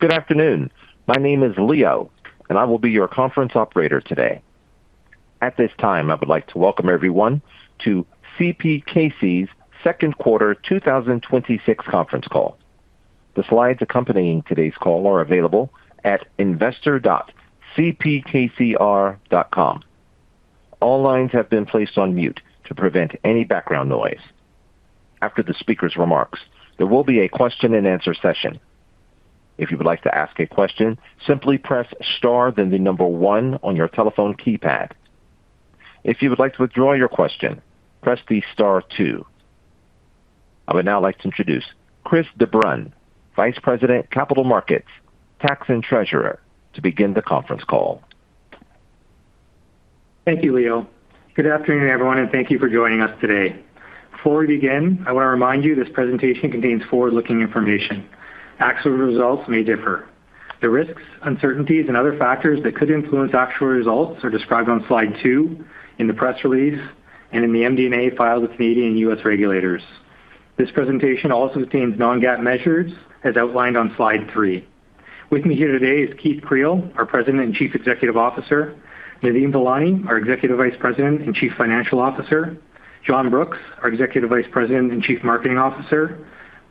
Good afternoon. My name is Leo, and I will be your conference operator today. At this time, I would like to welcome everyone to CPKC's second quarter 2026 conference call. The slides accompanying today's call are available at investor.cpkcr.com. All lines have been placed on mute to prevent any background noise. After the speaker's remarks, there will be a question-and-answer session. If you would like to ask a question, simply press star, then the number one on your telephone keypad. If you would like to withdraw your question, press the star two. I would now like to introduce Chris de Bruyn, Vice President, Capital Markets, Tax and Treasurer, to begin the conference call. Thank you, Leo. Good afternoon, everyone, and thank you for joining us today. Before we begin, I want to remind you this presentation contains forward-looking information. Actual results may differ. The risks, uncertainties, and other factors that could influence actual results are described on slide two in the press release and in the MD&A filed with Canadian and U.S. regulators. This presentation also contains non-GAAP measures, as outlined on slide three. With me here today is Keith Creel, our President and Chief Executive Officer; Nadeem Velani, our Executive Vice President and Chief Financial Officer; John Brooks, our Executive Vice President and Chief Marketing Officer;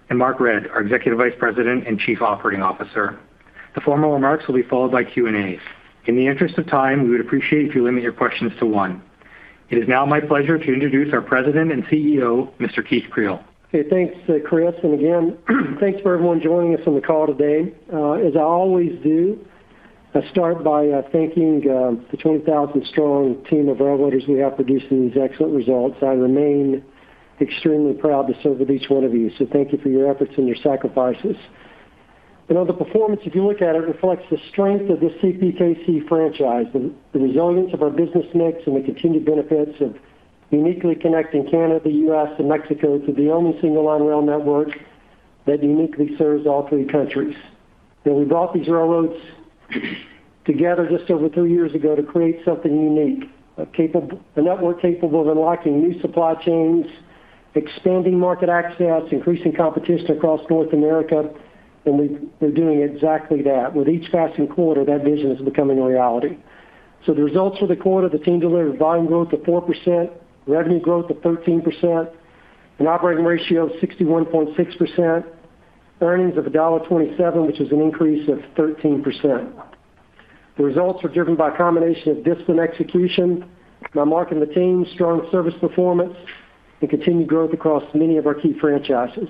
and Mark Redd, our Executive Vice President and Chief Operating Officer. The formal remarks will be followed by Q&As. In the interest of time, we would appreciate if you limit your questions to one. It is now my pleasure to introduce our President and CEO, Mr. Keith Creel. Thanks, Chris, and again, thanks for everyone joining us on the call today. As I always do, I start by thanking the 20,000 strong team of railroaders we have producing these excellent results. I remain extremely proud to serve with each one of you, so thank you for your efforts and your sacrifices. The performance, if you look at it, reflects the strength of the CPKC franchise, the resilience of our business mix, and the continued benefits of uniquely connecting Canada, U.S., and Mexico through the only single line rail network that uniquely serves all three countries. We brought these railroads together just over three years ago to create something unique, a network capable of unlocking new supply chains, expanding market access, increasing competition across North America, and we're doing exactly that. With each passing quarter, that vision is becoming a reality. The results for the quarter, the team delivered volume growth of 4%, revenue growth of 13%, an operating ratio of 61.6%, earnings of $1.27, which is an increase of 13%. The results are driven by a combination of discipline execution, by Mark and the team's strong service performance, and continued growth across many of our key franchises.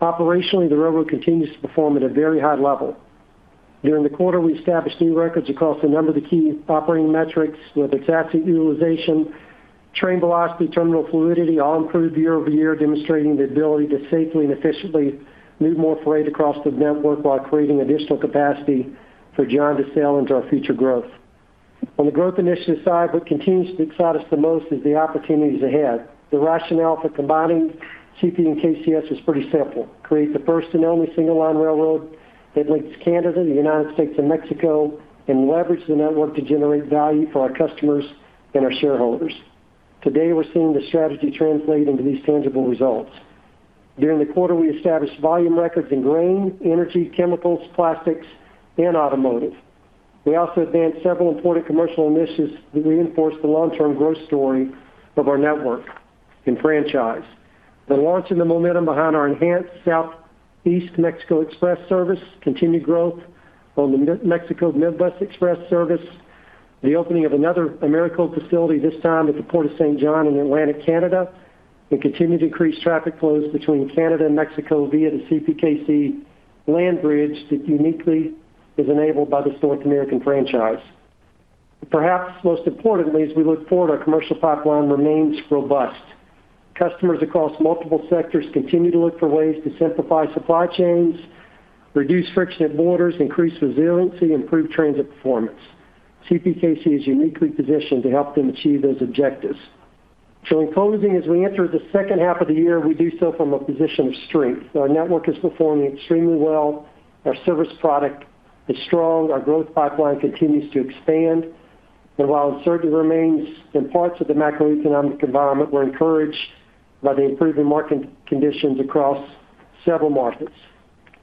Operationally, the railroad continues to perform at a very high level. During the quarter, we established new records across a number of the key operating metrics with asset utilization, train velocity, terminal fluidity, all improved year-over-year, demonstrating the ability to safely and efficiently move more freight across the network while creating additional capacity for John to sell into our future growth. On the growth initiative side, what continues to excite us the most is the opportunities ahead. The rationale for combining CP and KCS is pretty simple: create the first and only single-line railroad that links Canada, the United States, and Mexico, and leverage the network to generate value for our customers and our shareholders. Today, we're seeing the strategy translate into these tangible results. During the quarter, we established volume records in grain, energy, chemicals, plastics, and automotive. We also advanced several important commercial initiatives that reinforce the long-term growth story of our network and franchise. The launch and the momentum behind our enhanced Southeast Mexico Express service, continued growth on the Mexico Midwest Express service, the opening of another Americold facility, this time at the Port of Saint John in Atlantic Canada, and continued increased traffic flows between Canada and Mexico via the CPKC land bridge that uniquely is enabled by this North American franchise. Perhaps most importantly, as we look forward, our commercial pipeline remains robust. Customers across multiple sectors continue to look for ways to simplify supply chains, reduce friction at borders, increase resiliency, improve transit performance. CPKC is uniquely positioned to help them achieve those objectives. In closing, as we enter the second half of the year, we do so from a position of strength. Our network is performing extremely well. Our service product is strong. Our growth pipeline continues to expand. While uncertainty remains in parts of the macroeconomic environment, we're encouraged by the improving market conditions across several markets.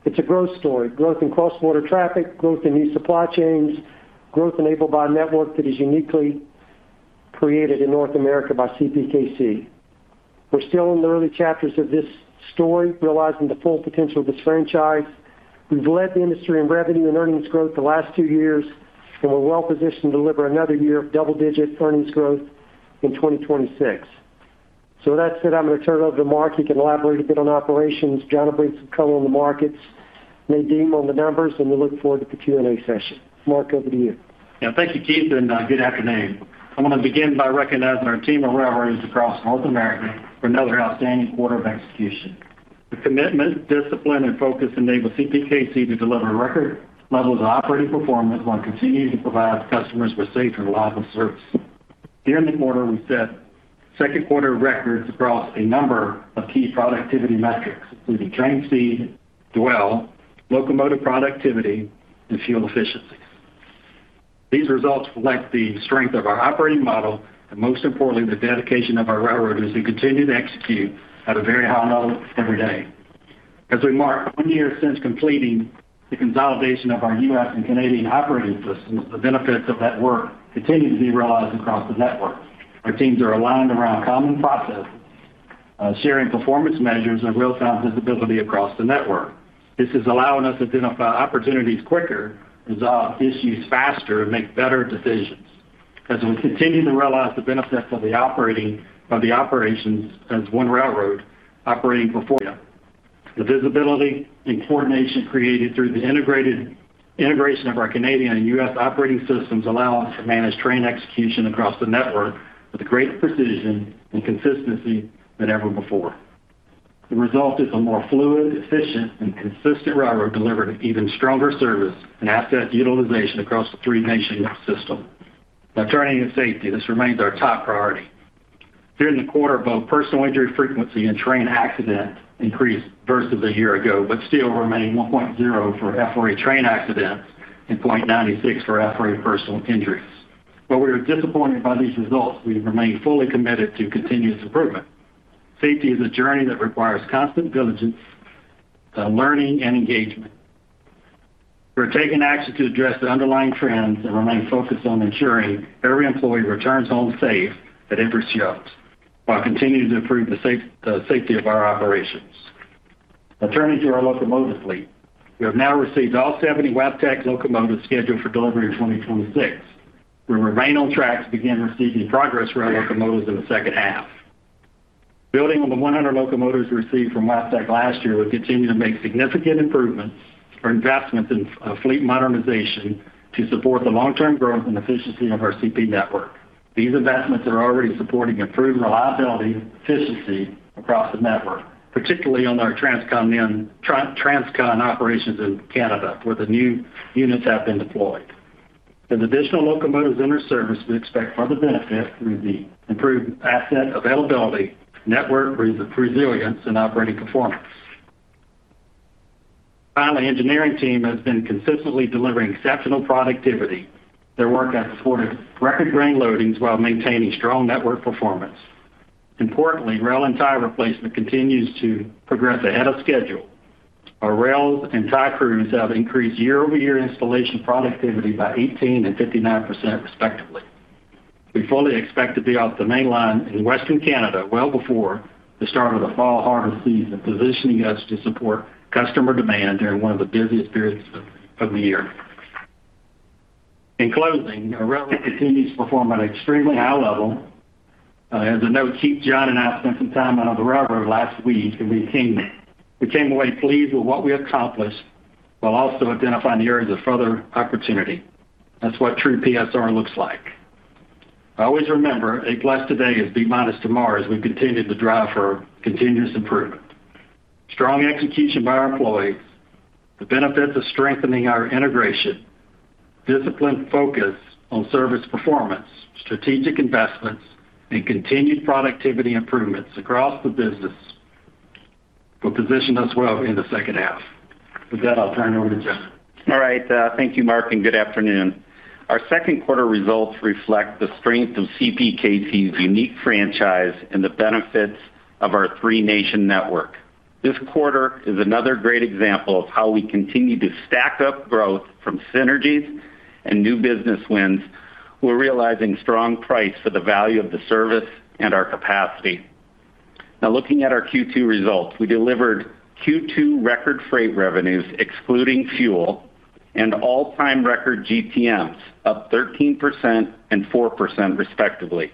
It's a growth story. Growth in cross-border traffic, growth in new supply chains, growth enabled by a network that is uniquely created in North America by CPKC. We're still in the early chapters of this story, realizing the full potential of this franchise. We've led the industry in revenue and earnings growth the last two years, and we're well-positioned to deliver another year of double-digit earnings growth in 2026. With that said, I'm going to turn it over to Mark, who can elaborate a bit on operations. John will bring some color on the markets, Nadeem on the numbers, and we look forward to Q&A session. Mark, over to you. Thank you, Keith, and good afternoon. I want to begin by recognizing our team of railroaders across North America for another outstanding quarter of execution. The commitment, discipline, and focus enable CPKC to deliver record levels of operating performance while continuing to provide customers with safe and reliable service. During the quarter, we set second quarter records across a number of key productivity metrics, including train speed, dwell, locomotive productivity, and fuel efficiency. These results reflect the strength of our operating model, and most importantly, the dedication of our railroaders who continue to execute at a very high level every day. As we mark one year since completing the consolidation of our U.S. and Canadian operating systems, the benefits of that work continue to be realized across the network. Our teams are aligned around common processes, sharing performance measures, and real-time visibility across the network. This is allowing us to identify opportunities quicker, resolve issues faster, and make better decisions. As we continue to realize the benefits of the operations as one railroad operating for freedom, the visibility and coordination created through the integration of our Canadian and U.S. operating systems allow us to manage train execution across the network with a great precision and consistency than ever before. The result is a more fluid, efficient and consistent railroad delivering even stronger service and asset utilization across the three-nation system. Turning to safety, this remains our top priority. During the quarter, both personal injury frequency and train accidents increased versus a year ago, still remain 1.0 for FRA train accidents and 0.96 for FRA personal injuries. While we are disappointed by these results, we remain fully committed to continuous improvement. Safety is a journey that requires constant diligence, learning, and engagement. We're taking action to address the underlying trends and remain focused on ensuring every employee returns home safe at every shift while continuing to improve the safety of our operations. Turning to our locomotive fleet. We have now received all 70 Wabtec locomotives scheduled for delivery in 2026. We remain on track to begin receiving Progress Rail locomotives in the second half. Building on the 100 locomotives received from Wabtec last year, we continue to make significant investments in fleet modernization to support the long-term growth and efficiency of our CP network. These investments are already supporting improved reliability and efficiency across the network, particularly on our Transcon operations in Canada, where the new units have been deployed. With additional locomotives in our service, we expect further benefit through the improved asset availability, network resilience, and operating performance. Finally, our engineering team has been consistently delivering exceptional productivity. Their work has supported record grain loadings while maintaining strong network performance. Importantly, rail and tie replacement continues to progress ahead of schedule. Our rails and tie crews have increased year-over-year installation productivity by 18% and 59%, respectively. We fully expect to be off the main line in Western Canada well before the start of the fall harvest season, positioning us to support customer demand during one of the busiest periods of the year. In closing, our railway continues to perform at an extremely high level. As a note, Keith, John, and I spent some time out on the railroad last week and we came away pleased with what we accomplished while also identifying the areas of further opportunity. That's what true PSR looks like. I always remember, A plus today is B minus tomorrow, as we continue to drive for continuous improvement. Strong execution by our employees, the benefits of strengthening our integration, disciplined focus on service performance, strategic investments, and continued productivity improvements across the business will position us well in the second half. With that, I'll turn it over to John. All right. Thank you, Mark, and good afternoon. Our second quarter results reflect the strength of CPKC's unique franchise and the benefits of our three-nation network. This quarter is another great example of how we continue to stack up growth from synergies and new business wins. We're realizing strong price for the value of the service and our capacity. Looking at our Q2 results, we delivered Q2 record freight revenues excluding fuel and all-time record GTMs, up 13% and 4%, respectively.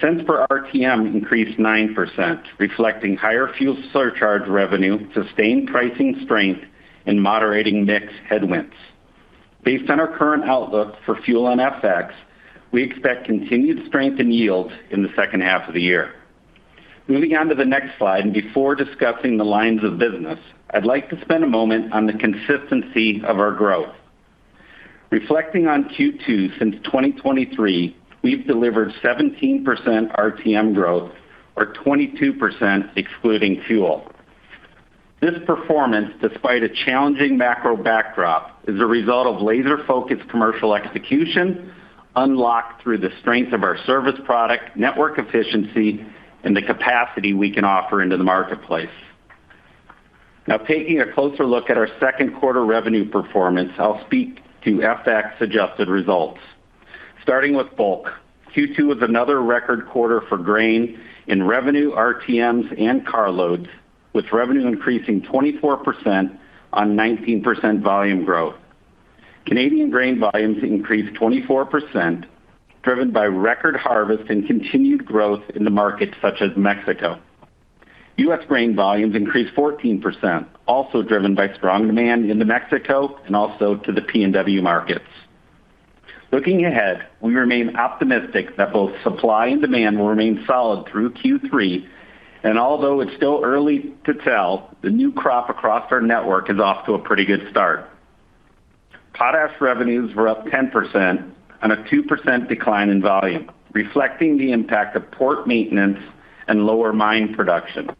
Cents per RTM increased 9%, reflecting higher fuel surcharge revenue, sustained pricing strength, and moderating mix headwinds. Based on our current outlook for fuel and FX, we expect continued strength in yields in the second half of the year. Moving on to the next slide, before discussing the lines of business, I'd like to spend a moment on the consistency of our growth. Reflecting on Q2 since 2023, we've delivered 17% RTM growth or 22% excluding fuel. This performance, despite a challenging macro backdrop, is a result of laser-focused commercial execution unlocked through the strength of our service product, network efficiency, and the capacity we can offer into the marketplace. Taking a closer look at our second quarter revenue performance, I'll speak to FX-adjusted results. Starting with bulk. Q2 was another record quarter for grain in revenue, RTMs, and car loads, with revenue increasing 24% on 19% volume growth. Canadian grain volumes increased 24%, driven by record harvest and continued growth in the markets such as Mexico. U.S. grain volumes increased 14%, also driven by strong demand into Mexico and also to the PNW markets. Looking ahead, we remain optimistic that both supply and demand will remain solid through Q3, although it's still early to tell, the new crop across our network is off to a pretty good start. Potash revenues were up 10% on a 2% decline in volume, reflecting the impact of port maintenance and lower mine production.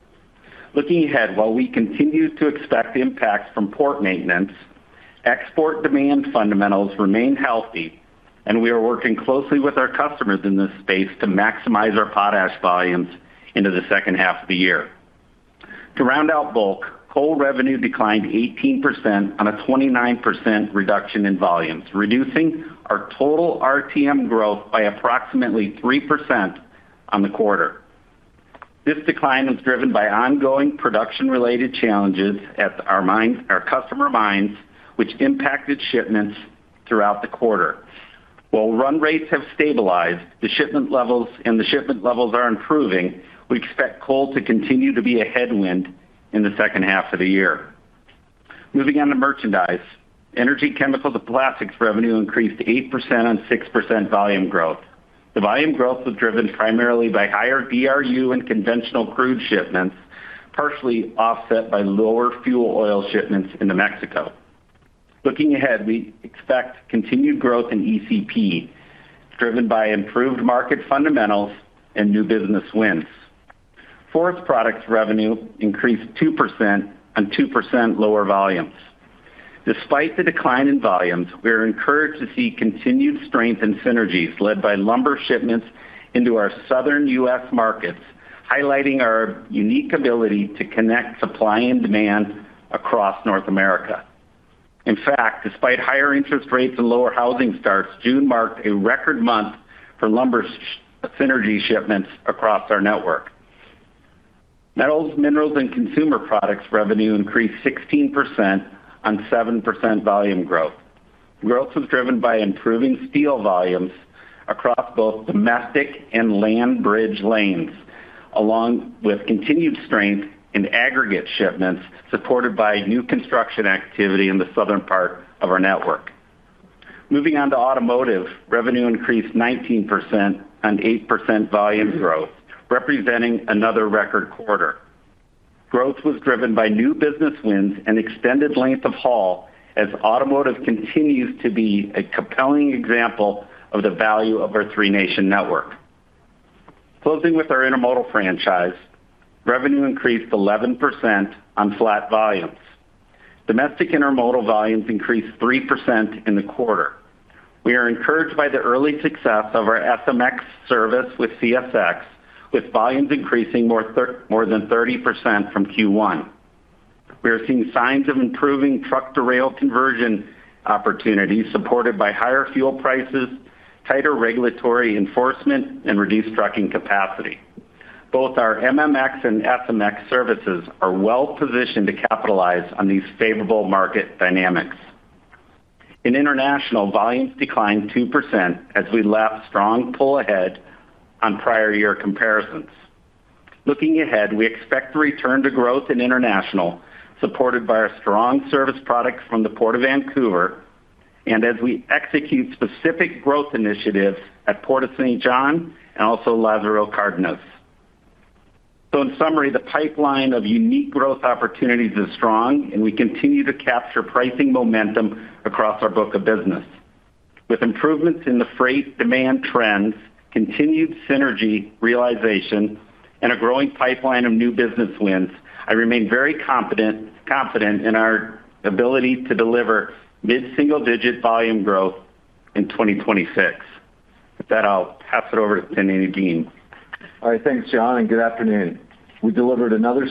Looking ahead, while we continue to expect impacts from port maintenance, export demand fundamentals remain healthy, and we are working closely with our customers in this space to maximize our potash volumes into the second half of the year. To round out bulk, coal revenue declined 18% on a 29% reduction in volumes, reducing our total RTM growth by approximately 3% on the quarter. This decline was driven by ongoing production-related challenges at our customer mines, which impacted shipments throughout the quarter. While run rates have stabilized, and the shipment levels are improving, we expect coal to continue to be a headwind in the second half of the year. Moving on to merchandise. Energy, Chemicals, and Plastics revenue increased 8% on 6% volume growth. The volume growth was driven primarily by higher DRU and conventional crude shipments, partially offset by lower fuel oil shipments into Mexico. Looking ahead, we expect continued growth in ECP, driven by improved market fundamentals and new business wins. Forest Products revenue increased 2% on 2% lower volumes. Despite the decline in volumes, we are encouraged to see continued strength in synergies led by lumber shipments into our Southern U.S. markets, highlighting our unique ability to connect supply and demand across North America. In fact, despite higher interest rates and lower housing starts, June marked a record month for lumber synergy shipments across our network. Metals, Minerals, and Consumer Products revenue increased 16% on 7% volume growth. Growth was driven by improving steel volumes across both domestic and land bridge lanes, along with continued strength in aggregate shipments, supported by new construction activity in the southern part of our network. Moving on to Automotive, revenue increased 19% on 8% volume growth, representing another record quarter. Growth was driven by new business wins and extended length of haul as Automotive continues to be a compelling example of the value of our three-nation network. Closing with our Intermodal franchise, revenue increased 11% on flat volumes. Domestic Intermodal volumes increased 3% in the quarter. We are encouraged by the early success of our SMX service with CSX, with volumes increasing more than 30% from Q1. We are seeing signs of improving truck-to-rail conversion opportunities supported by higher fuel prices, tighter regulatory enforcement, and reduced trucking capacity. Both our MMX and SMX services are well-positioned to capitalize on these favorable market dynamics. In International, volumes declined 2% as we lapped strong pull ahead on prior year comparisons. Looking ahead, we expect to return to growth in International, supported by our strong service products from the Port of Vancouver, and as we execute specific growth initiatives at Port of Saint John and also Lázaro Cárdenas. In summary, the pipeline of unique growth opportunities is strong, and we continue to capture pricing momentum across our book of business. With improvements in the freight demand trends, continued synergy realization, and a growing pipeline of new business wins, I remain very confident in our ability to deliver mid-single-digit volume growth in 2026. With that, I'll pass it over to Nadeem. Thanks, John, and good afternoon. We delivered another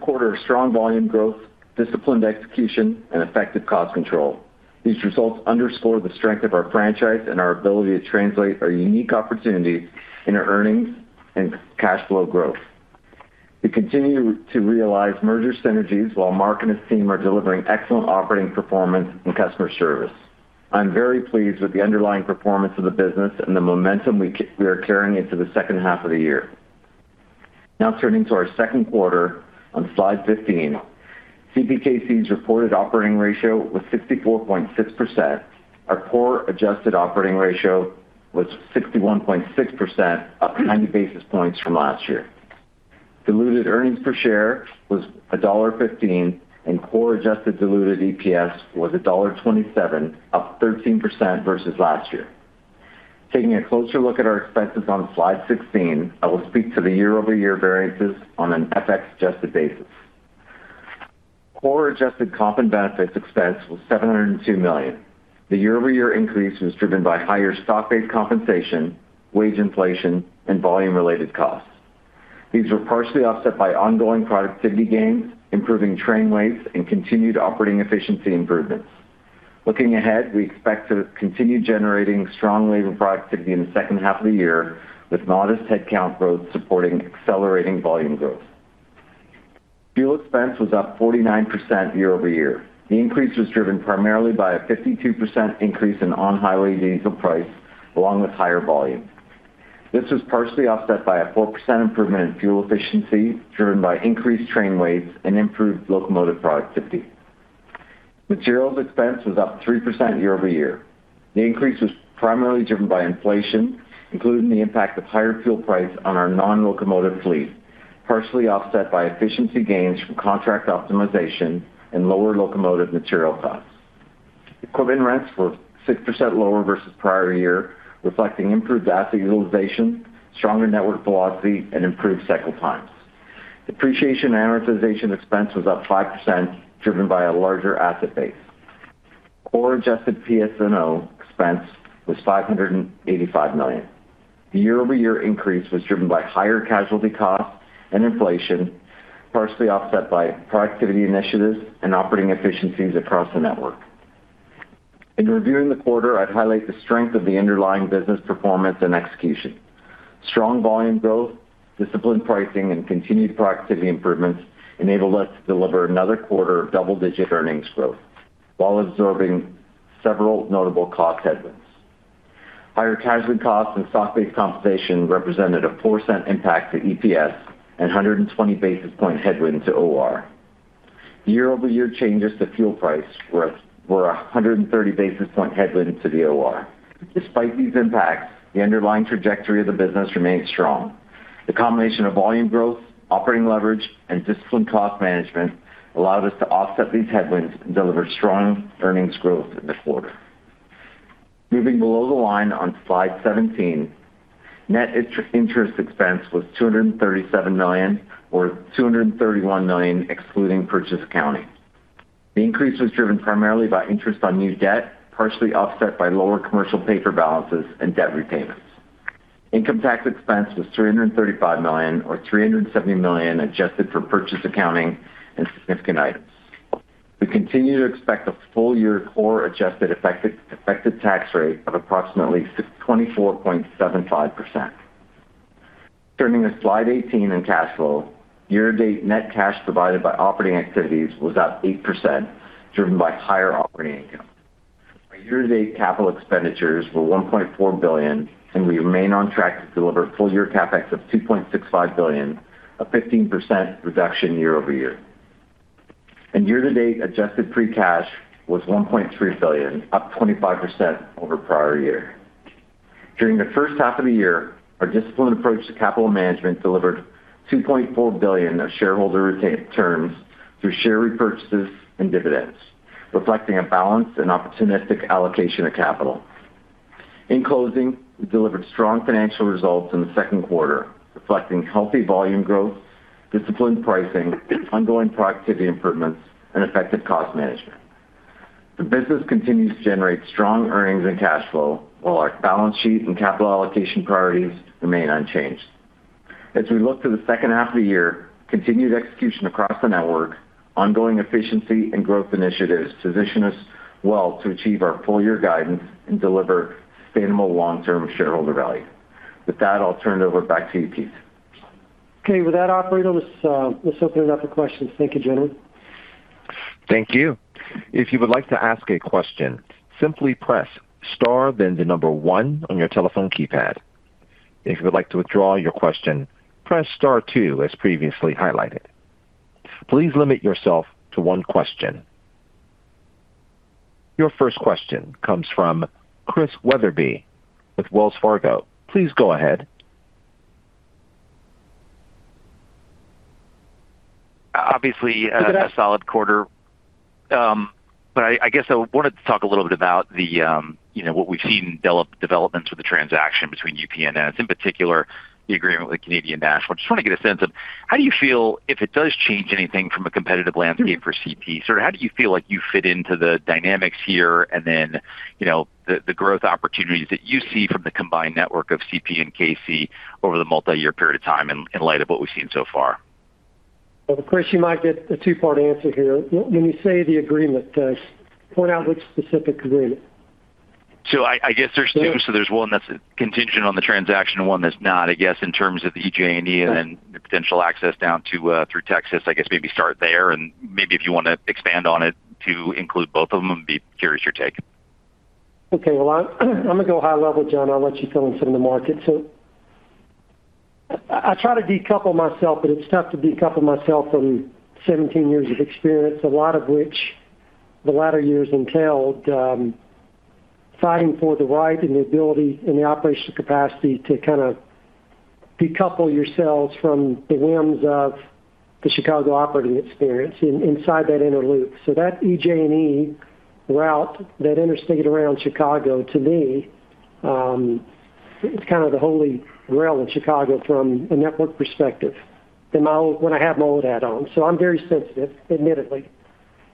quarter of strong volume growth, disciplined execution, and effective cost control. These results underscore the strength of our franchise and our ability to translate our unique opportunities into earnings and cash flow growth. We continue to realize merger synergies while Mark and his team are delivering excellent operating performance and customer service. I'm very pleased with the underlying performance of the business and the momentum we are carrying into the second half of the year. Turning to our second quarter on slide 15. CPKC's reported operating ratio was 64.6%. Our core adjusted operating ratio was 61.6%, up 90 basis points from last year. Diluted earnings per share was $1.15, and core adjusted diluted EPS was $1.27, up 13% versus last year. Taking a closer look at our expenses on slide 16, I will speak to the year-over-year variances on an FX-adjusted basis. Core adjusted comp and benefits expense was $702 million. The year-over-year increase was driven by higher stock-based compensation, wage inflation, and volume-related costs. These were partially offset by ongoing productivity gains, improving train weights, and continued operating efficiency improvements. Looking ahead, we expect to continue generating strong labor productivity in the second half of the year with modest headcount growth supporting accelerating volume growth. Fuel expense was up 49% year-over-year. The increase was driven primarily by a 52% increase in on-highway diesel price, along with higher volume. This was partially offset by a 4% improvement in fuel efficiency, driven by increased train weights and improved locomotive productivity. Materials expense was up 3% year-over-year. The increase was primarily driven by inflation, including the impact of higher fuel price on our non-locomotive fleet, partially offset by efficiency gains from contract optimization and lower locomotive material costs. Equipment rents were 6% lower versus prior year, reflecting improved asset utilization, stronger network velocity, and improved cycle times. Depreciation and amortization expense was up 5%, driven by a larger asset base. Core adjusted PS&O expense was $585 million. The year-over-year increase was driven by higher casualty costs and inflation, partially offset by productivity initiatives and operating efficiencies across the network. In reviewing the quarter, I'd highlight the strength of the underlying business performance and execution. Strong volume growth, disciplined pricing, and continued productivity improvements enabled us to deliver another quarter of double-digit earnings growth while absorbing several notable cost headwinds. Higher casualty costs and stock-based compensation represented a 4% impact to EPS and 120 basis point headwind to OR. Year-over-year changes to fuel price were 130 basis point headwind to the OR. Despite these impacts, the underlying trajectory of the business remains strong. The combination of volume growth, operating leverage, and disciplined cost management allowed us to offset these headwinds and deliver strong earnings growth in the quarter. Moving below the line on slide 17, net interest expense was $237 million or $231 million excluding purchase accounting. The increase was driven primarily by interest on new debt, partially offset by lower commercial paper balances and debt repayments. Income tax expense was $335 million or $370 million adjusted for purchase accounting and significant items. We continue to expect a full year core adjusted effective tax rate of approximately 24.75%. Turning to slide 18 in cash flow, year-to-date net cash provided by operating activities was up 8%, driven by higher operating income. Our year-to-date capital expenditures were $1.4 billion, and we remain on track to deliver full-year CapEx of $2.65 billion, a 15% reduction year-over-year. Year-to-date adjusted free cash was $1.3 billion, up 25% over prior year. During the first half of the year, our disciplined approach to capital management delivered $2.4 billion of shareholder returns through share repurchases and dividends, reflecting a balanced and opportunistic allocation of capital. In closing, we delivered strong financial results in the second quarter, reflecting healthy volume growth, disciplined pricing, ongoing productivity improvements, and effective cost management. The business continues to generate strong earnings and cash flow while our balance sheet and capital allocation priorities remain unchanged. As we look to the second half of the year, continued execution across the network, ongoing efficiency and growth initiatives position us well to achieve our full-year guidance and deliver sustainable long-term shareholder value. With that, I'll turn it over back to you, Keith. Okay. With that, operator, let's open it up for questions. Thank you, gentlemen. Thank you. If you would like to ask a question, simply press star then the number one on your telephone keypad. If you would like to withdraw your question, press star two as previously highlighted. Please limit yourself to one question. Your first question comes from Chris Wetherbee with Wells Fargo. Please go ahead. Obviously- Go ahead.... a solid quarter. I guess I wanted to talk a little bit about what we've seen in developments with the transaction between UP and NS, in particular the agreement with Canadian National. Just want to get a sense of how do you feel if it does change anything from a competitive landscape for CP? Sort of how do you feel like you fit into the dynamics here and then the growth opportunities that you see from the combined network of CP and KC over the multi-year period of time in light of what we've seen so far? Well, Chris, you might get a two-part answer here. When you say the agreement, point out which specific agreement. I guess there's two. There's one that's contingent on the transaction and one that's not. I guess in terms of EJ&E and the potential access down through Texas, I guess maybe start there? Maybe if you want to expand on it to include both of them, I'd be curious your take. Okay. Well, I'm going to go high level. John, I'll let you fill in some of the markets. I try to decouple myself, but it's tough to decouple myself from 17 years of experience. A lot of which, the latter years entailed fighting for the right and the ability and the operational capacity to kind of decouple yourselves from the whims of the Chicago operating experience in inside that inner loop. That EJ&E route, that interstate around Chicago, to me, is kind of the holy grail in Chicago from a network perspective when I have my old hat on. I'm very sensitive, admittedly.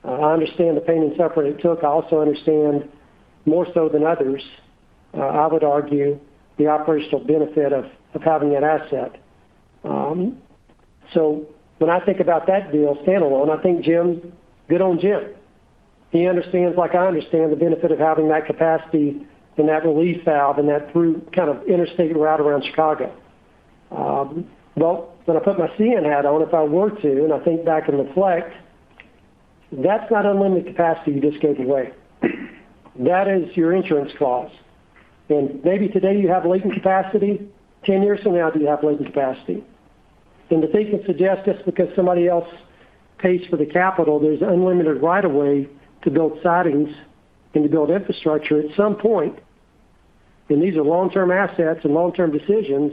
I understand the pain and suffering it took. I also understand more so than others, I would argue the operational benefit of having that asset. When I think about that deal standalone, I think Jim, good on Jim. He understands like I understand the benefit of having that capacity and that relief valve and that through kind of interstate route around Chicago. When I put my CN hat on, if I were to, and I think back and reflect, that's not unlimited capacity you just gave away. That is your insurance clause. Maybe today you have latent capacity, 10 years from now, do you have latent capacity? To think and suggest just because somebody else pays for the capital, there's unlimited right of way to build sidings and to build infrastructure, at some point, and these are long-term assets and long-term decisions,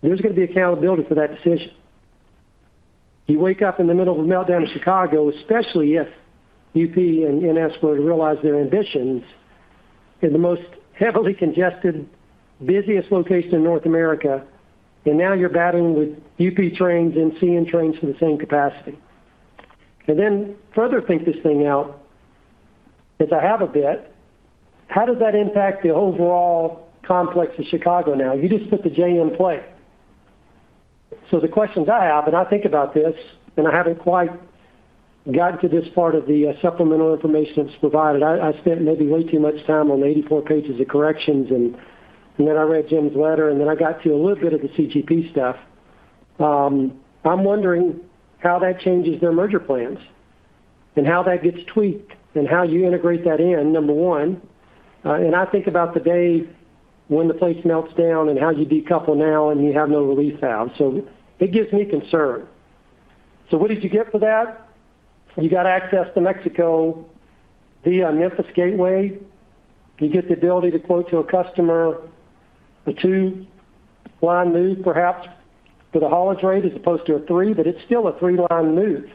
there's got to be accountability for that decision. You wake up in the middle of a meltdown in Chicago, especially if UP and NS were to realize their ambitions in the most heavily congested, busiest location in North America. Now you're battling with UP trains and CN trains for the same capacity. Then further think this thing out, as I have a bit, how does that impact the overall complex of Chicago now? You just put The J in play. The questions I have, and I think about this, and I haven't quite gotten to this part of the supplemental information that's provided. I spent maybe way too much time on 84 pages of corrections, and then I read Jim's letter, and then I got to a little bit of the CGP stuff. I'm wondering how that changes their merger plans and how that gets tweaked and how you integrate that in, number one. I think about the day when the place melts down and how you decouple now and you have no relief valve. It gives me concern. What did you get for that? You got access to Mexico via Memphis Gateway. You get the ability to quote to a customer a two-line move, perhaps, with a haulage rate, as opposed to a three, but it's still a three-line move.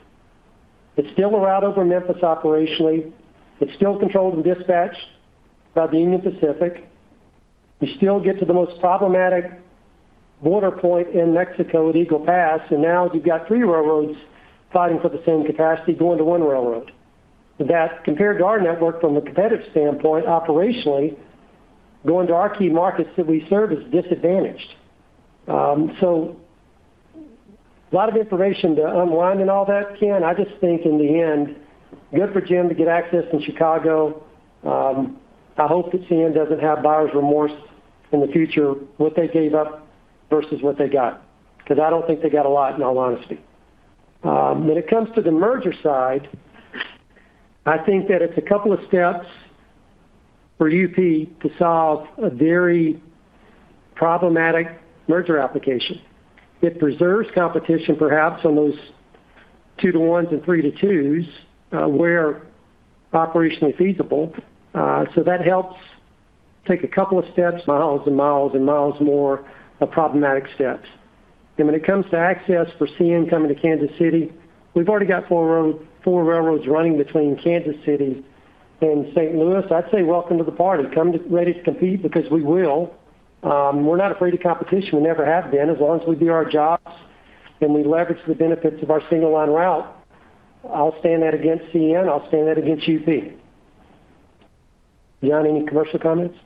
It's still a route over Memphis operationally. It's still controlled and dispatched by the Union Pacific. You still get to the most problematic border point in Mexico with Eagle Pass, and now you've got three railroads fighting for the same capacity going to one railroad. That, compared to our network from a competitive standpoint, operationally, going to our key markets that we serve is disadvantaged. A lot of information to unwind in all that, Chris. I just think in the end, good for Jim to get access in Chicago. I hope that CN doesn't have buyer's remorse in the future, what they gave up versus what they got. I don't think they got a lot, in all honesty. When it comes to the merger side, I think that it's a couple of steps for UP to solve a very problematic merger application. It preserves competition, perhaps, on those two-to-ones and three-to-twos, where operationally feasible. That helps take a couple of steps, miles and miles and miles more of problematic steps. When it comes to access for CN coming to Kansas City, we've already got four railroads running between Kansas City and St. Louis. I'd say welcome to the party. Come ready to compete, because we will. We're not afraid of competition. We never have been. As long as we do our jobs and we leverage the benefits of our single line route, I'll stand that against CN. I'll stand that against UP. John, any commercial comments?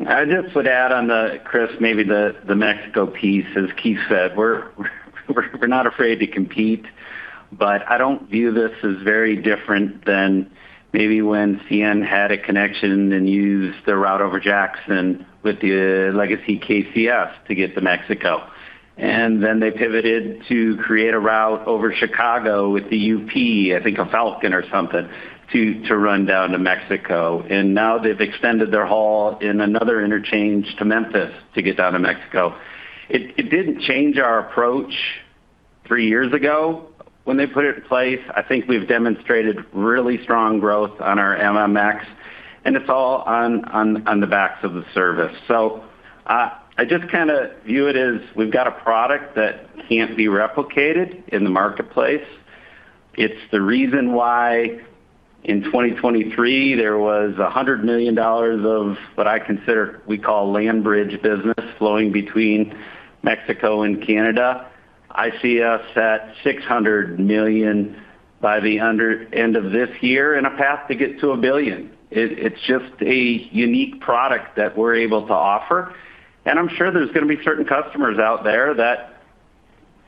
I just would add on the, Chris, maybe the Mexico piece. As Keith said, we're not afraid to compete, but I don't view this as very different than maybe when CN had a connection and used the route over Jackson with the legacy KCS to get to Mexico. Then they pivoted to create a route over Chicago with the UP, I think a Falcon or something, to run down to Mexico. Now they've extended their haul in another interchange to Memphis to get down to Mexico. It didn't change our approach three years ago when they put it in place. I think we've demonstrated really strong growth on our MMX, and it's all on the backs of the service. I just kind of view it as we've got a product that can't be replicated in the marketplace. It's the reason why in 2023, there was $100 million of what I consider we call land bridge business flowing between Mexico and Canada. I see us at $600 million by the end of this year and a path to get to $1 billion. It's just a unique product that we're able to offer. I'm sure there's going to be certain customers out there that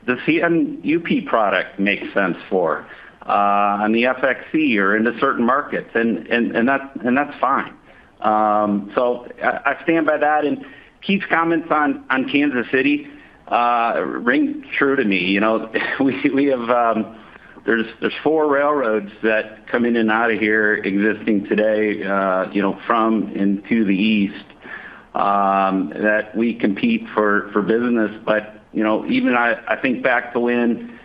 the CN-UP product makes sense for, on the FXE or into certain markets. That's fine. I stand by that. Keith's comments on Kansas City ring true to me. There's four railroads that come in and out of here existing today from and to the east that we compete for business. Even I think back to when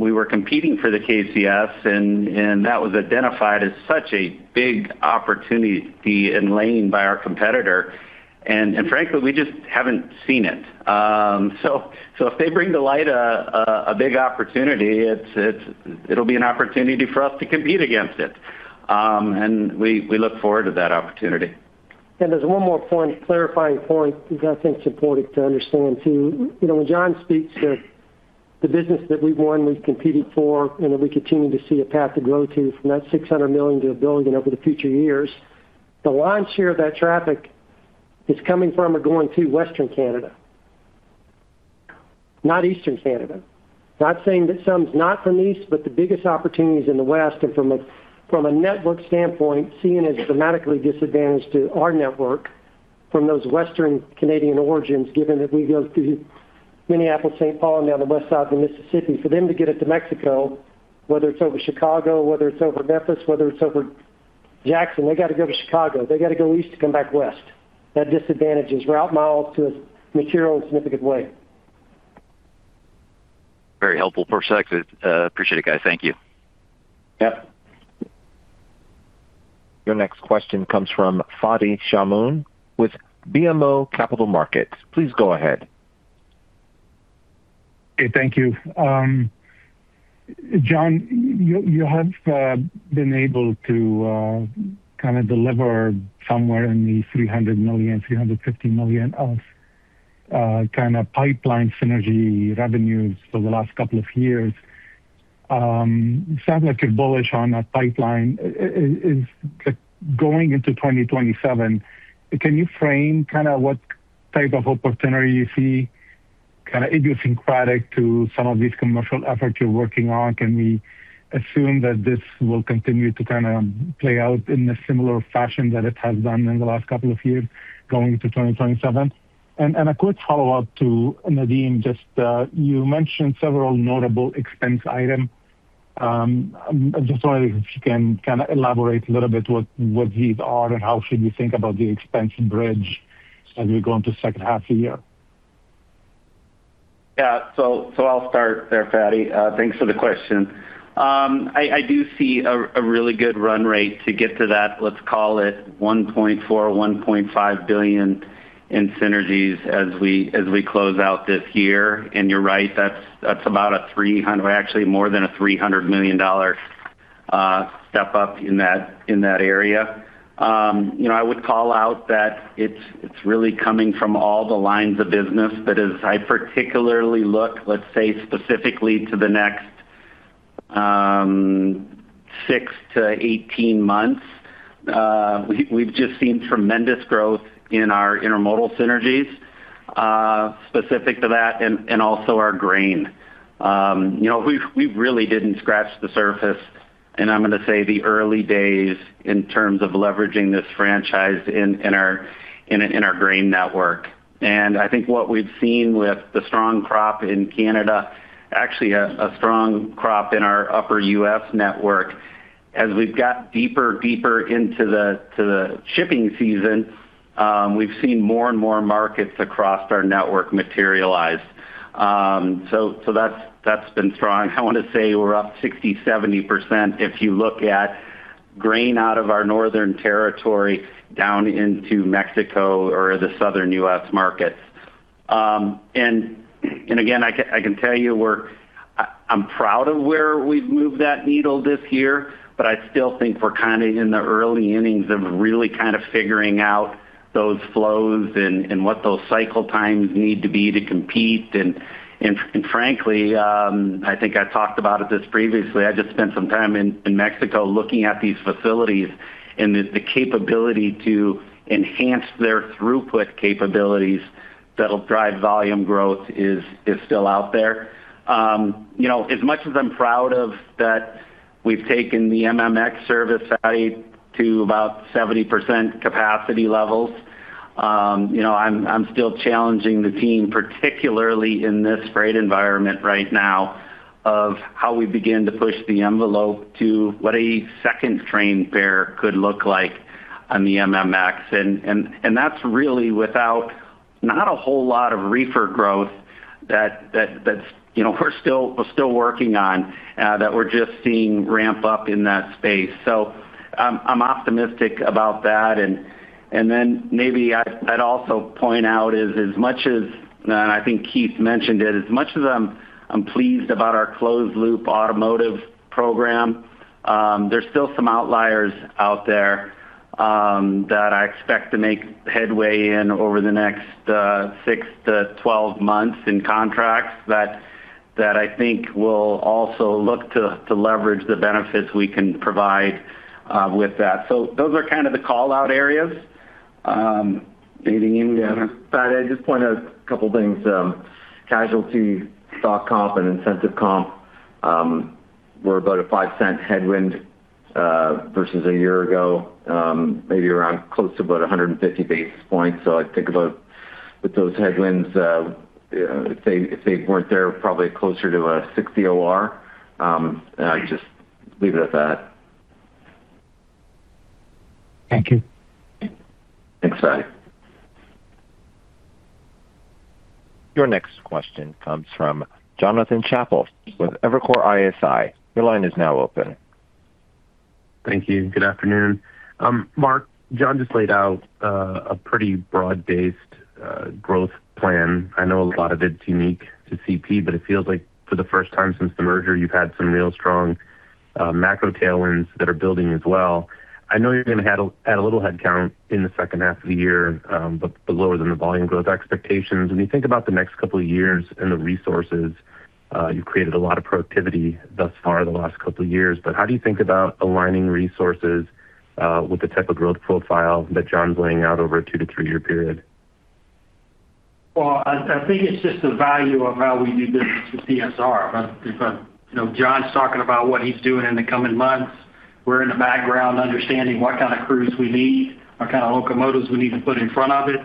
we were competing for the KCS and that was identified as such a big opportunity inlaid by our competitor. Frankly, we just haven't seen it. If they bring to light a big opportunity, it'll be an opportunity for us to compete against it. We look forward to that opportunity. There's one more clarifying point that I think is important to understand, too. When John speaks to the business that we've won, we've competed for, and that we continue to see a path to grow to, from that $600 million to $1 billion over the future years, the lion's share of that traffic is coming from or going to Western Canada, not Eastern Canada. Not saying that some's not from the east, but the biggest opportunity is in the west. From a network standpoint, CN is dramatically disadvantaged to our network from those western Canadian origins, given that we go through Minneapolis, St. Paul, and down the west side of the Mississippi. For them to get it to Mexico, whether it's over Chicago, whether it's over Memphis, whether it's over Jackson, they got to go to Chicago. They got to go east to come back west. That disadvantages route miles to us materially in a significant way. Very helpful perspective. Appreciate it, guys. Thank you. Yep. Your next question comes from Fadi Chamoun with BMO Capital Markets. Please go ahead. Okay, thank you. John, you have been able to kind of deliver somewhere in the $300 million-$350 million of kind of pipeline synergy revenues for the last couple of years. You sound like you're bullish on that pipeline is going into 2027. Can you frame what type of opportunity you see, kind of idiosyncratic to some of these commercial efforts you're working on? Can we assume that this will continue to kind of play out in a similar fashion that it has done in the last couple of years going to 2027? A quick follow-up to Nadeem, just you mentioned several notable expense item. I'm just wondering if you can kind of elaborate a little bit what these are and how should we think about the expense bridge as we go into the second half of the year? Yeah. I'll start there, Fadi. Thanks for the question. I do see a really good run rate to get to that, let's call it $1.4 billion-$1.5 billion in synergies as we close out this year. You're right, that's about $300 million, well, actually more than a $300 million step up in that area. I would call out that it's really coming from all the lines of business, but as I particularly look, let's say, specifically to the next 6-18 months, we've just seen tremendous growth in our intermodal synergies specific to that and also our grain. We really didn't scratch the surface, and I'm going to say the early days in terms of leveraging this franchise in our grain network. I think what we've seen with the strong crop in Canada, actually a strong crop in our upper U.S. network, as we've got deeper into the shipping season, we've seen more and more markets across our network materialize. That's been strong. I want to say we're up 60%-70% if you look at grain out of our northern territory down into Mexico or the southern U.S. markets. Again, I can tell you I'm proud of where we've moved that needle this year, but I still think we're kind of in the early innings of really kind of figuring out those flows and what those cycle times need to be to compete. Frankly, I think I talked about it just previously, I just spent some time in Mexico looking at these facilities, and the capability to enhance their throughput capabilities that'll drive volume growth is still out there. As much as I'm proud of that we've taken the MMX service, Fadi, to about 70% capacity levels, I'm still challenging the team, particularly in this freight environment right now, of how we begin to push the envelope to what a second train pair could look like on the MMX. That's really without not a whole lot of reefer growth that we're still working on that we're just seeing ramp up in that space. I'm optimistic about that. Maybe I'd also point out is as much as, and I think Keith mentioned it, as much as I'm pleased about our closed-loop automotive program, there's still some outliers out there that I expect to make headway in over the next 6-12 months in contracts that I think will also look to leverage the benefits we can provide with that. Those are kind of the call-out areas. Maybe, Nadeem? Yeah. Fadi, I'd just point out a couple of things. Casualty, stock comp, and incentive comp were about a $0.05 headwind versus a year ago, maybe around close to about 150 basis points. I think about with those headwinds, if they weren't there, probably closer to a 60% OR. I'll just leave it at that. Thank you. Thanks, Fadi. Your next question comes from Jonathan Chappell with Evercore ISI. Your line is now open. Thank you. Good afternoon. Mark, John just laid out a pretty broad-based growth plan. I know a lot of it's unique to CP, but it feels like for the first time since the merger, you've had some real strong macro tailwinds that are building as well. I know you're going to add a little headcount in the second half of the year, but below the volume growth expectations. When you think about the next couple of years and the resources, you've created a lot of productivity thus far the last couple of years, but how do you think about aligning resources with the type of growth profile that John's laying out over a two to three-year period? Well, I think it's just the value of how we do business with CSX. John's talking about what he's doing in the coming months. We're in the background understanding what kind of crews we need, what kind of locomotives we need to put in front of it,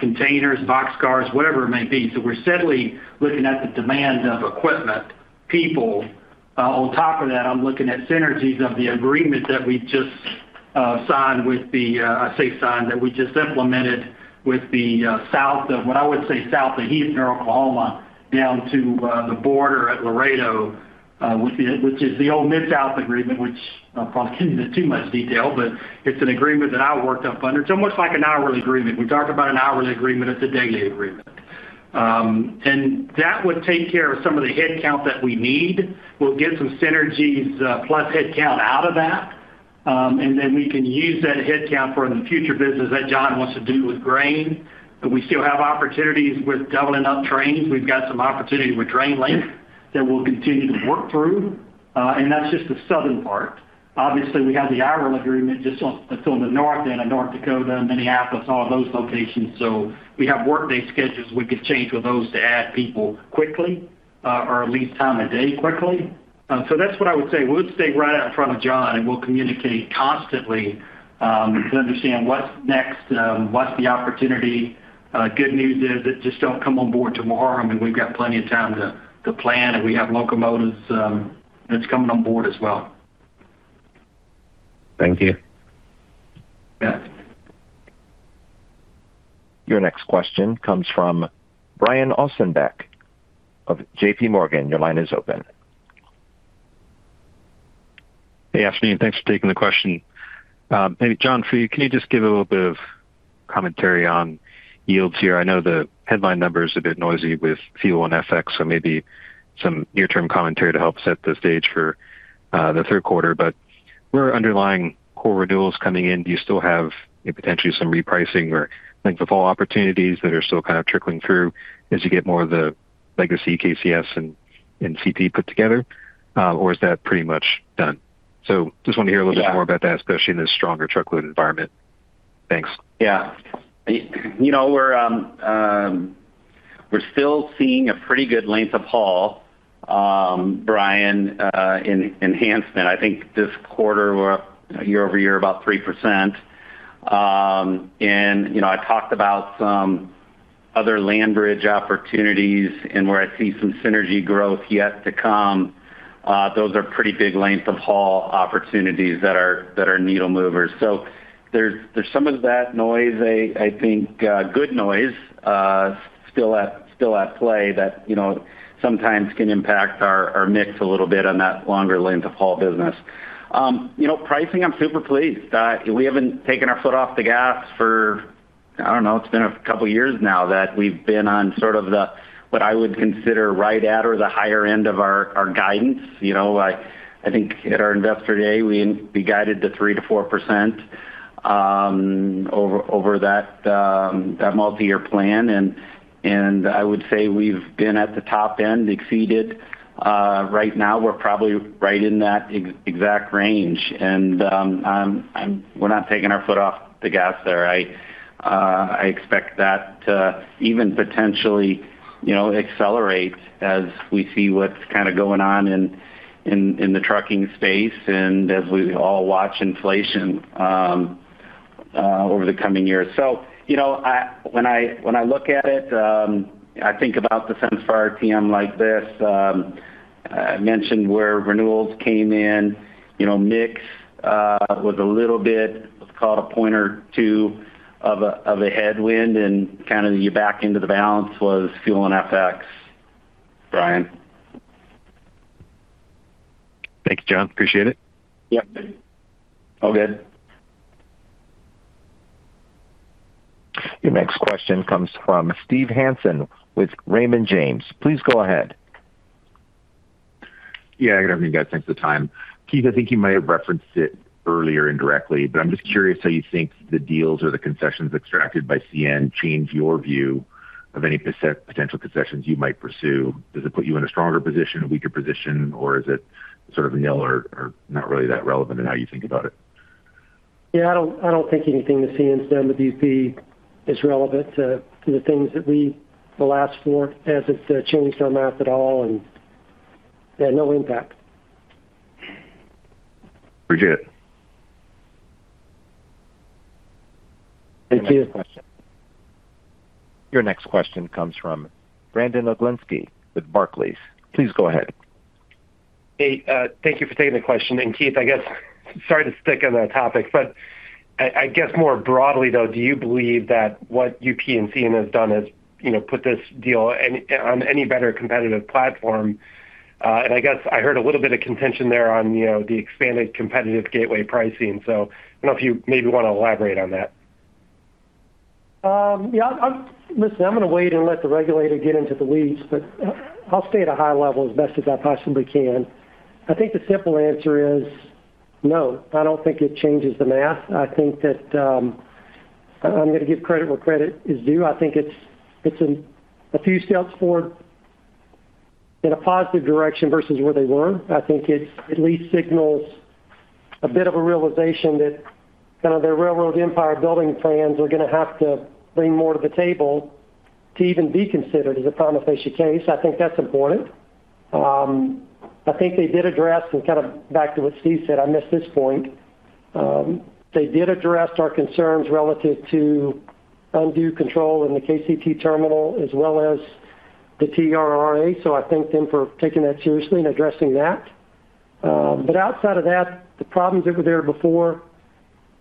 containers, boxcars, whatever it may be. We're steadily looking at the demand of equipment, people. On top of that, I'm looking at synergies of the agreement that we just signed, I say signed, that we just implemented With the south of what I would say south of Heath, near Oklahoma, down to the border at Laredo, which is the old MidSouth agreement, which I'll probably get into too much detail, but it's an agreement that I worked up under. It's almost like an hourly agreement. We talk about an hourly agreement, it's a daily agreement. That would take care of some of the headcount that we need. We'll get some synergies plus headcount out of that, and then we can use that headcount for the future business that John wants to do with grain. We still have opportunities with doubling up trains. We've got some opportunities with GrainLink that we'll continue to work through. That's just the southern part. Obviously, we have the hourly agreement just on the north end of North Dakota, Minneapolis, all those locations. We have workday schedules we could change with those to add people quickly, or at least time of day quickly. That's what I would say. We'll stay right out in front of John, and we'll communicate constantly, to understand what's next, what's the opportunity. Good news is that just don't come on board tomorrow. I mean, we've got plenty of time to plan, and we have locomotives that's coming on board as well. Thank you. Yeah. Your next question comes from Brian Ossenbeck of JPMorgan. Your line is open. Hey, afternoon. Thanks for taking the question. Maybe John, for you, can you just give a little bit of commentary on yields here? I know the headline number is a bit noisy with fuel and FX, maybe some near-term commentary to help set the stage for the third quarter. Where are underlying core renewals coming in? Do you still have potentially some repricing or length of haul opportunities that are still kind of trickling through as you get more of the legacy KCS and CP put together? Is that pretty much done? Just want to hear a little bit more about that, especially in this stronger truckload environment. Thanks. We're still seeing a pretty good length of haul, Brian, in enhancement. I think this quarter we're up year-over-year about 3%. I talked about some other land bridge opportunities and where I see some synergy growth yet to come. Those are pretty big length of haul opportunities that are needle movers. There's some of that noise, I think, good noise, still at play that sometimes can impact our mix a little bit on that longer length of haul business. Pricing, I'm super pleased. We haven't taken our foot off the gas for, I don't know, it's been a couple of years now that we've been on sort of the what I would consider right at or the higher end of our guidance. I think at our Investor Day, we guided to 3%-4% over that multi-year plan. I would say we've been at the top end, exceeded. Right now we're probably right in that exact range. We're not taking our foot off the gas there. I expect that to even potentially accelerate as we see what's kind of going on in the trucking space and as we all watch inflation over the coming years. When I look at it, I think about the cents per RTM like this. I mentioned where renewals came in. Mix was a little bit, let's call it a point or two of a headwind. Kind of you back into the balance was fuel and FX, Brian. Thank you, John. Appreciate it. Yeah. All good. Your next question comes from Steve Hansen with Raymond James. Please go ahead. Yeah, good afternoon, guys. Thanks for the time. Keith, I think you might have referenced it earlier indirectly, but I'm just curious how you think the deals or the concessions extracted by CN change your view of any potential concessions you might pursue. Does it put you in a stronger position, a weaker position, or is it sort of nil or not really that relevant in how you think about it? Yeah, I don't think anything that CN's done with UP is relevant to the things that we will ask for, as it's changed our math at all. Yeah, no impact. Appreciate it. Thank you. Your next question comes from Brandon Oglenski with Barclays. Please go ahead. Hey, thank you for taking the question. Keith, sorry to stick on the topic. I guess more broadly, though, do you believe that what UP and CN has done has put this deal on any better competitive platform? I guess I heard a little bit of contention there on the expanded competitive gateway pricing. I don't know if you maybe want to elaborate on that? Yeah. Listen, I'm going to wait and let the regulator get into the weeds, but I'll stay at a high level as best as I possibly can. I think the simple answer is no. I don't think it changes the math. I think that I'm going to give credit where credit is due. I think it's a few steps forward in a positive direction versus where they were. I think it at least signals a bit of a realization that kind of their railroad empire building plans are going to have to bring more to the table to even be considered as a prima facie case. I think that's important. I think they did address, kind of back to what Steve said, I missed this point. They did address our concerns relative to undue control in the KCT terminal as well as the TRRA. I thank them for taking that seriously and addressing that. Outside of that, the problems that were there before.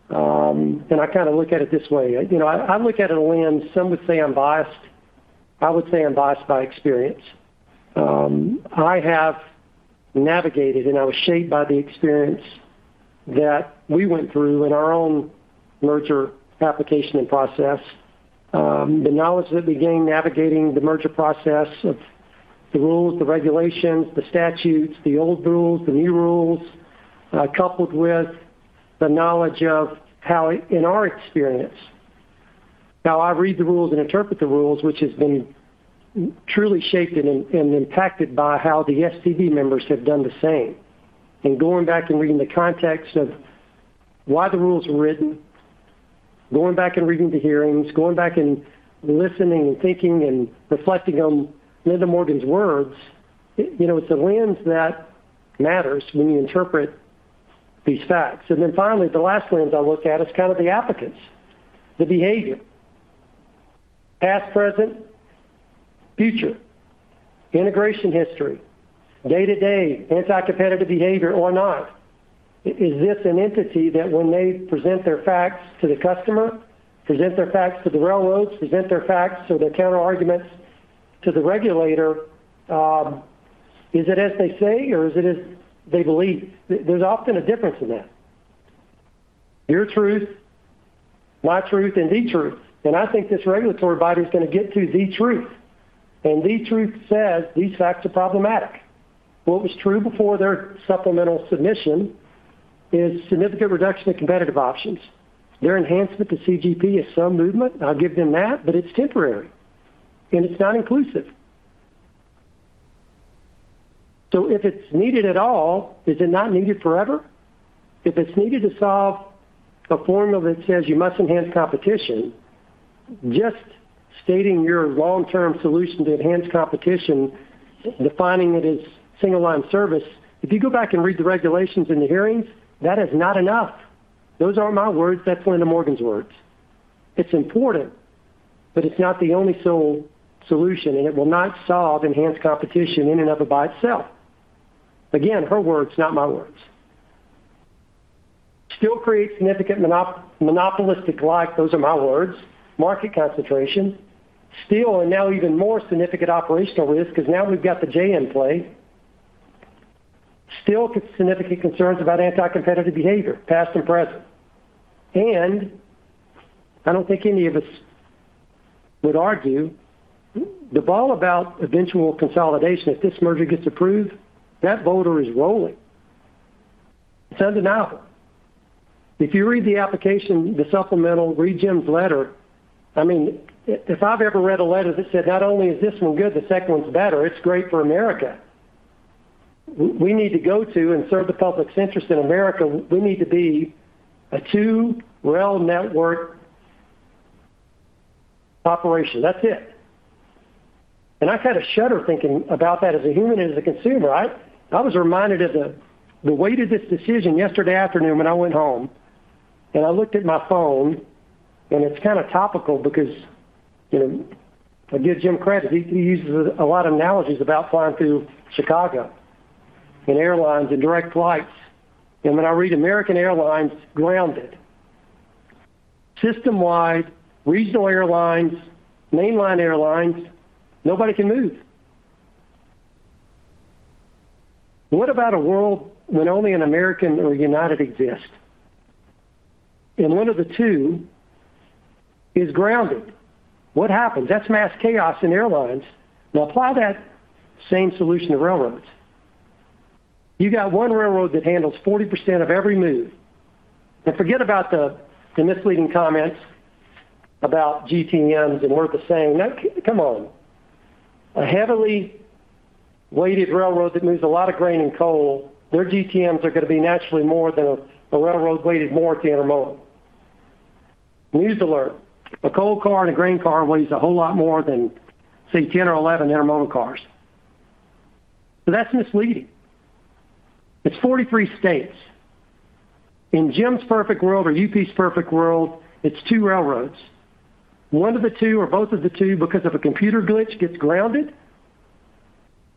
I look at it this way. I look at it in a lens, some would say I'm biased. I would say I'm biased by experience. I have navigated, and I was shaped by the experience that we went through in our own merger application and process. The knowledge that we gained navigating the merger process of the rules, the regulations, the statutes, the old rules, the new rules, coupled with the knowledge of how, in our experience. How I read the rules and interpret the rules, which has been truly shaped and impacted by how the STB members have done the same. Going back and reading the context of why the rules were written, going back and reading the hearings, going back and listening and thinking and reflecting on Linda Morgan's words. It's the lens that matters when you interpret these facts. Then finally, the last lens I look at is kind of the applicants, the behavior. Past, present, future, integration history, day-to-day anti-competitive behavior or not. Is this an entity that when they present their facts to the customer, present their facts to the railroads, present their facts or their counter arguments to the regulator, is it as they say, or is it as they believe? There's often a difference in that. Your truth, my truth, and the truth. I think this regulatory body's going to get to the truth. The truth says these facts are problematic. What was true before their supplemental submission is significant reduction in competitive options. Their enhancement to CGP is some movement. I'll give them that, but it's temporary, and it's not inclusive. If it's needed at all, is it not needed forever? If it's needed to solve a formula that says you must enhance competition, just stating your long-term solution to enhance competition, defining it as single line service. If you go back and read the regulations and the hearings, that is not enough. Those aren't my words, that's Linda Morgan's words. It's important, but it's not the only sole solution, and it will not solve enhanced competition in and of by itself. Again, her words, not my words. Still creates significant monopolistic like, those are my words, market concentration. Still and now even more significant operational risk because now, we've got The J in play. Still significant concerns about anti-competitive behavior, past and present. I don't think any of us would argue the ball about eventual consolidation. If this merger gets approved, that boulder is rolling. It's undeniable. If you read the application, the supplemental, read Jim's letter. If I've ever read a letter that said, "Not only is this one good, the second one's better, it's great for America." We need to go to and serve the public's interest in America. We need to be a two rail network operation. That's it. I shudder thinking about that as a human and as a consumer. I was reminded of the weight of this decision yesterday afternoon when I went home and I looked at my phone, it's topical because I give Jim credit, he uses a lot of analogies about flying through Chicago, and airlines and direct flights. When I read American Airlines grounded. System-wide, regional airlines, mainline airlines, nobody can move. What about a world when only an American or United exists, and one of the two is grounded? What happens? That's mass chaos in airlines. Now, apply that same solution to railroads. You got one railroad that handles 40% of every move. Now, forget about the misleading comments about GTMs and worth saying. No, come on. A heavily weighted railroad that moves a lot of grain and coal, their GTMs are going to be naturally more than a railroad weighted more at the intermodal. News alert, a coal car and a grain car weighs a whole lot more than, say, 10 or 11 intermodal cars. That's misleading. It's 43 states. In Jim's perfect world or UP's perfect world, it's two railroads. One of the two or both of the two, because of a computer glitch gets grounded,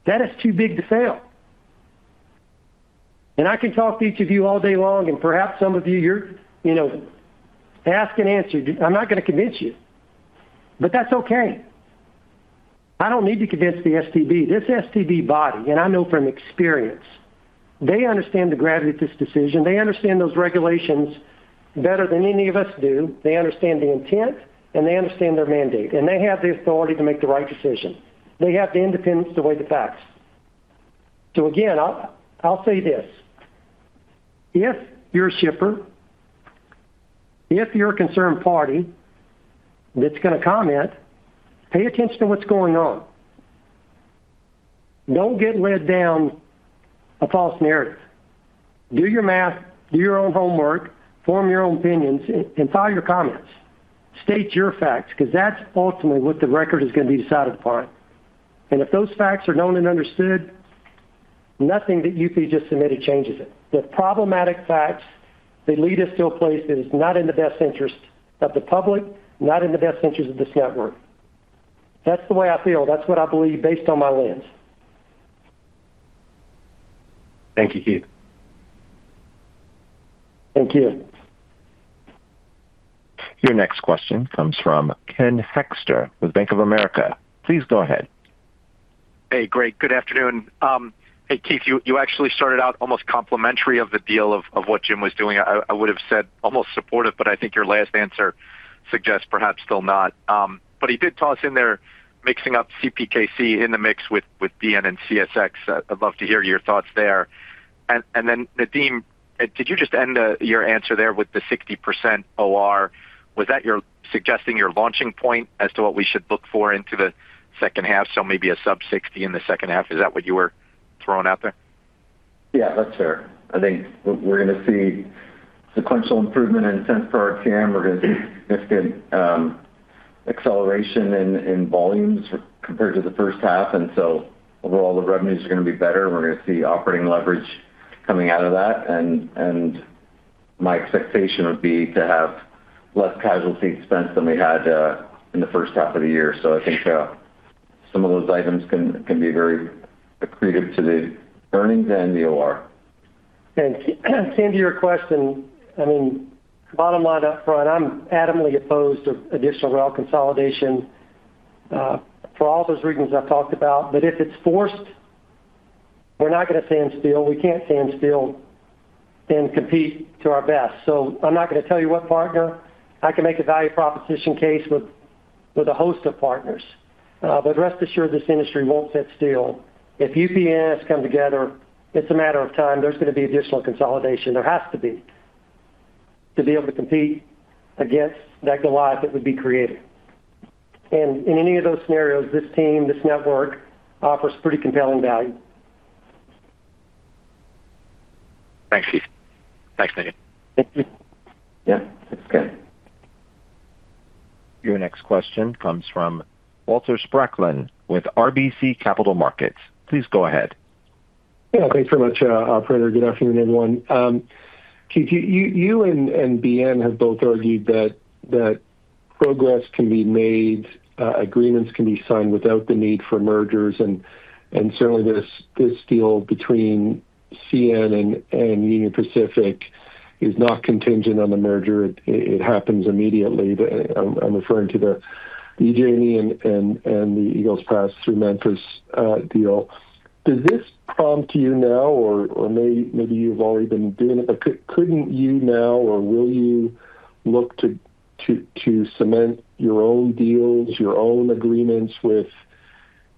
that is too big to fail. I can talk to each of you all day long, and perhaps some of you here, ask and answer. I'm not going to convince you, but that's okay. I don't need to convince the STB. This STB body, I know from experience, they understand the gravity of this decision. They understand those regulations better than any of us do. They understand the intent, they understand their mandate, they have the authority to make the right decision. They have the independence to weigh the facts. Again, I'll say this. If you're a shipper, if you're a concerned party that's going to comment, pay attention to what's going on. Don't get led down a false narrative. Do your math, do your own homework, form your own opinions, file your comments. State your facts because that's ultimately what the record is going to be decided upon. If those facts are known and understood, nothing that UP just submitted changes it. The problematic facts, they lead us to a place that is not in the best interest of the public, not in the best interest of this network. That's the way I feel. That's what I believe based on my lens. Thank you, Keith. Thank you. Your next question comes from Ken Hoexter with Bank of America. Please go ahead. Hey, great. Good afternoon. Hey, Keith, you actually started out almost complimentary of the deal of what Jim was doing. I would've said almost supportive, but I think your last answer suggests perhaps still not. He did toss in there mixing up CPKC in the mix with BN and CSX. I'd love to hear your thoughts there. Nadeem, did you just end your answer there with the 60% OR? Was that suggesting your launching point as to what we should look for into the second half? Maybe a sub-60% in the second half. Is that what you were throwing out there? Yeah, that's fair. I think we're going to see sequential improvement in cents per RTM. We're going to see significant acceleration in volumes compared to the first half, overall the revenues are going to be better, and we're going to see operating leverage coming out of that. My expectation would be to have less casualty expense than we had in the first half of the year. I think some of those items can be very accretive to the earnings and the OR. Ken, to your question, bottom line up front, I'm adamantly opposed to additional rail consolidation, for all those reasons I've talked about. If it's forced, we're not going to stand still. We can't stand still and compete to our best. I'm not going to tell you what partner. I can make a value proposition case with a host of partners. Rest assured this industry won't sit still. If UP and NS come together, it's a matter of time. There's going to be additional consolidation. There has to be to be able to compete against that Goliath that would be created. In any of those scenarios, this team, this network offers pretty compelling value. Thanks, Keith. Thanks, Nadeem. Yeah, thanks, Ken. Your next question comes from Walter Spracklin with RBC Capital Markets. Please go ahead. Yeah, thanks very much, operator. Good afternoon, everyone. Keith, you and BN have both argued that progress can be made, agreements can be signed without the need for mergers, and certainly this deal between CN and Union Pacific is not contingent on the merger. It happens immediately. I'm referring to the EJ&E and the Eagle Pass through Memphis deal. Does this prompt you now or maybe you've already been doing it, but couldn't you now or will you look to cement your own deals, your own agreements with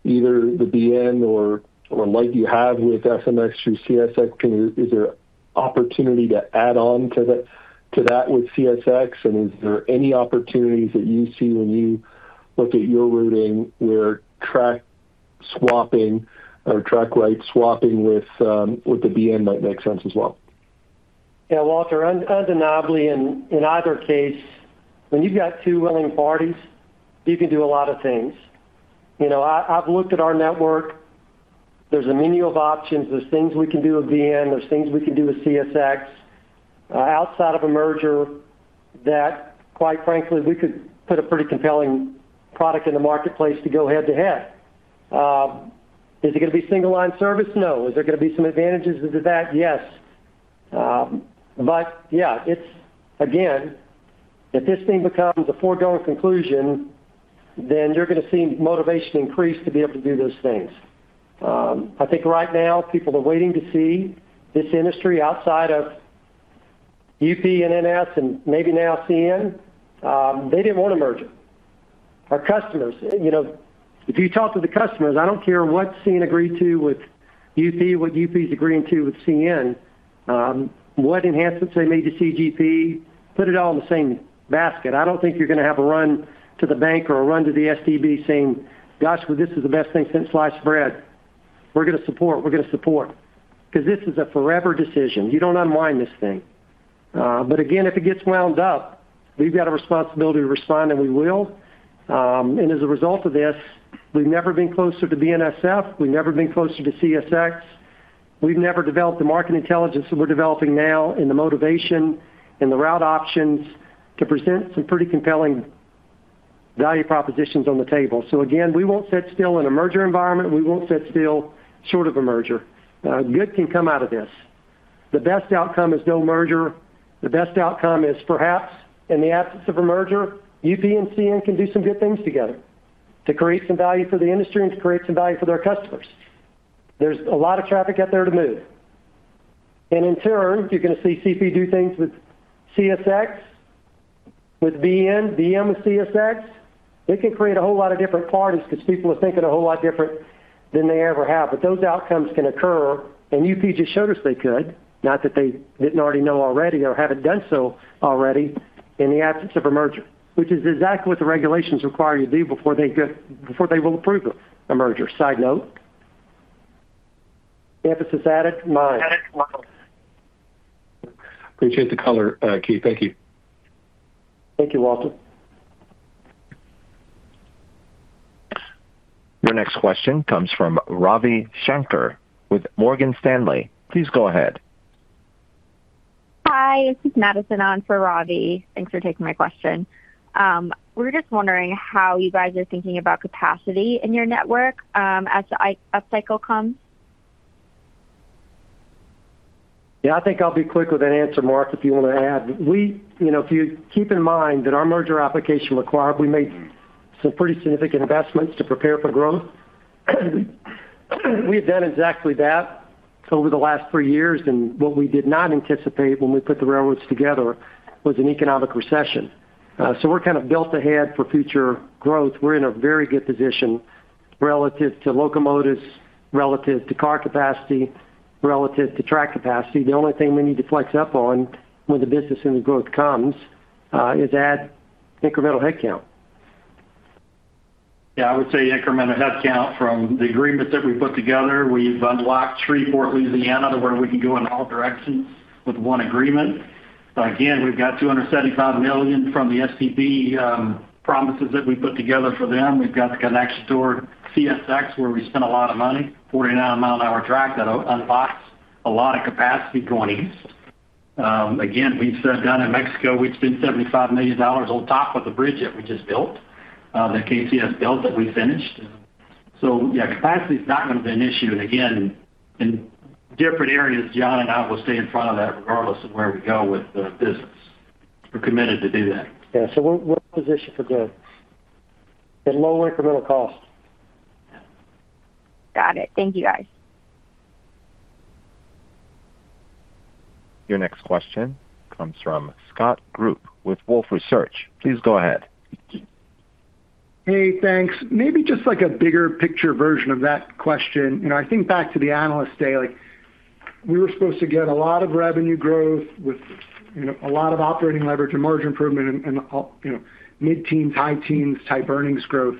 either the BN or like you have with SMX through CSX? Is there opportunity to add on to that with CSX, and is there any opportunities that you see when you look at your routing where track swapping or track right swapping with the BN might make sense as well? Yeah, Walter, undeniably in either case, when you've got two willing parties, you can do a lot of things. I've looked at our network. There's a menu of options. There's things we can do with BN, there's things we can do with CSX, outside of a merger that quite frankly, we could put a pretty compelling product in the marketplace to go head to head. Is it going to be single-line service? No. Is there going to be some advantages to that? Yes. Yeah, again, if this thing becomes a foregone conclusion, then you're going to see motivation increase to be able to do those things. I think right now people are waiting to see this industry outside of UP and NS and maybe now CN. They didn't want a merger. If you talk to the customers, I don't care what CN agreed to with UP, what UP's agreeing to with CN, what enhancements they made to CGP, put it all in the same basket. I don't think you're going to have a run to the bank or a run to the STB saying, "Gosh, well, this is the best thing since sliced bread. We're going to support." This is a forever decision. You don't unwind this thing. Again, if it gets wound up, we've got a responsibility to respond, and we will. As a result of this, we've never been closer to BNSF. We've never been closer to CSX. We've never developed the market intelligence that we're developing now in the motivation and the route options to present some pretty compelling value propositions on the table. Again, we won't sit still in a merger environment. We won't sit still short of a merger. Good can come out of this. The best outcome is no merger. The best outcome is perhaps in the absence of a merger, UP and CN can do some good things together to create some value for the industry and to create some value for their customers. There's a lot of traffic out there to move. In turn, you're going to see CP do things with CSX, with BN, BN-CSX. It can create a whole lot of different parties because people are thinking a whole lot different than they ever have. Those outcomes can occur, and UP just showed us they could, not that they didn't already know already or haven't done so already in the absence of a merger, which is exactly what the regulations require you to do before they will approve a merger. Side note. Emphasis added, mine. Appreciate the color, Keith. Thank you. Thank you, Walter. Your next question comes from Ravi Shanker with Morgan Stanley. Please go ahead. Hi, this is Madison on for Ravi. Thanks for taking my question. We're just wondering how you guys are thinking about capacity in your network as the up cycle comes. Yeah, I think I'll be quick with that answer. Mark, if you want to add. If you keep in mind that our merger application required we make some pretty significant investments to prepare for growth. We have done exactly that over the last three years. What we did not anticipate when we put the railroads together was an economic recession. We're kind of built ahead for future growth. We're in a very good position relative to locomotives, relative to car capacity, relative to track capacity. The only thing we need to flex up on when the business and the growth comes, is add incremental headcount. Yeah, I would say incremental headcount from the agreement that we put together. We've unlocked Shreveport, Louisiana, to where we can go in all directions with one agreement. Again, we've got $275 million from the STB promises that we put together for them. We've got the connection toward CSX, where we spent a lot of money, 49-mi-an-hour track that unlocks a lot of capacity going east. Again, we've said down in Mexico, we'd spend $75 million on top of the bridge that we just built, that KCS built, that we finished. Yeah, capacity's not going to be an issue. Again, in different areas, John and I will stay in front of that regardless of where we go with the business. We're committed to do that. Yeah. We're positioned for growth at low incremental cost. Got it. Thank you, guys. Your next question comes from Scott Group with Wolfe Research. Please go ahead. Hey, thanks. Maybe just a bigger picture version of that question. I think back to the Analyst Day, we were supposed to get a lot of revenue growth with a lot of operating leverage and margin improvement and mid-teens, high-teens type earnings growth.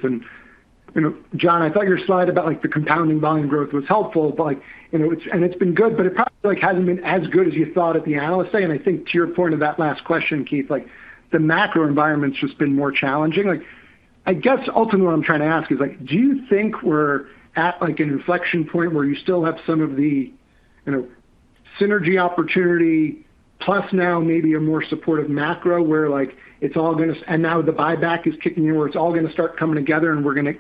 John, I thought your slide about the compounding volume growth was helpful, and it's been good, but it probably hasn't been as good as you thought at the Analyst Day. I think to your point of that last question, Keith, the macro environment's just been more challenging. I guess ultimately what I'm trying to ask is, do you think we're at an inflection point where you still have some of the synergy opportunity plus now maybe a more supportive macro and now the buyback is kicking in where it's all going to start coming together and we're going to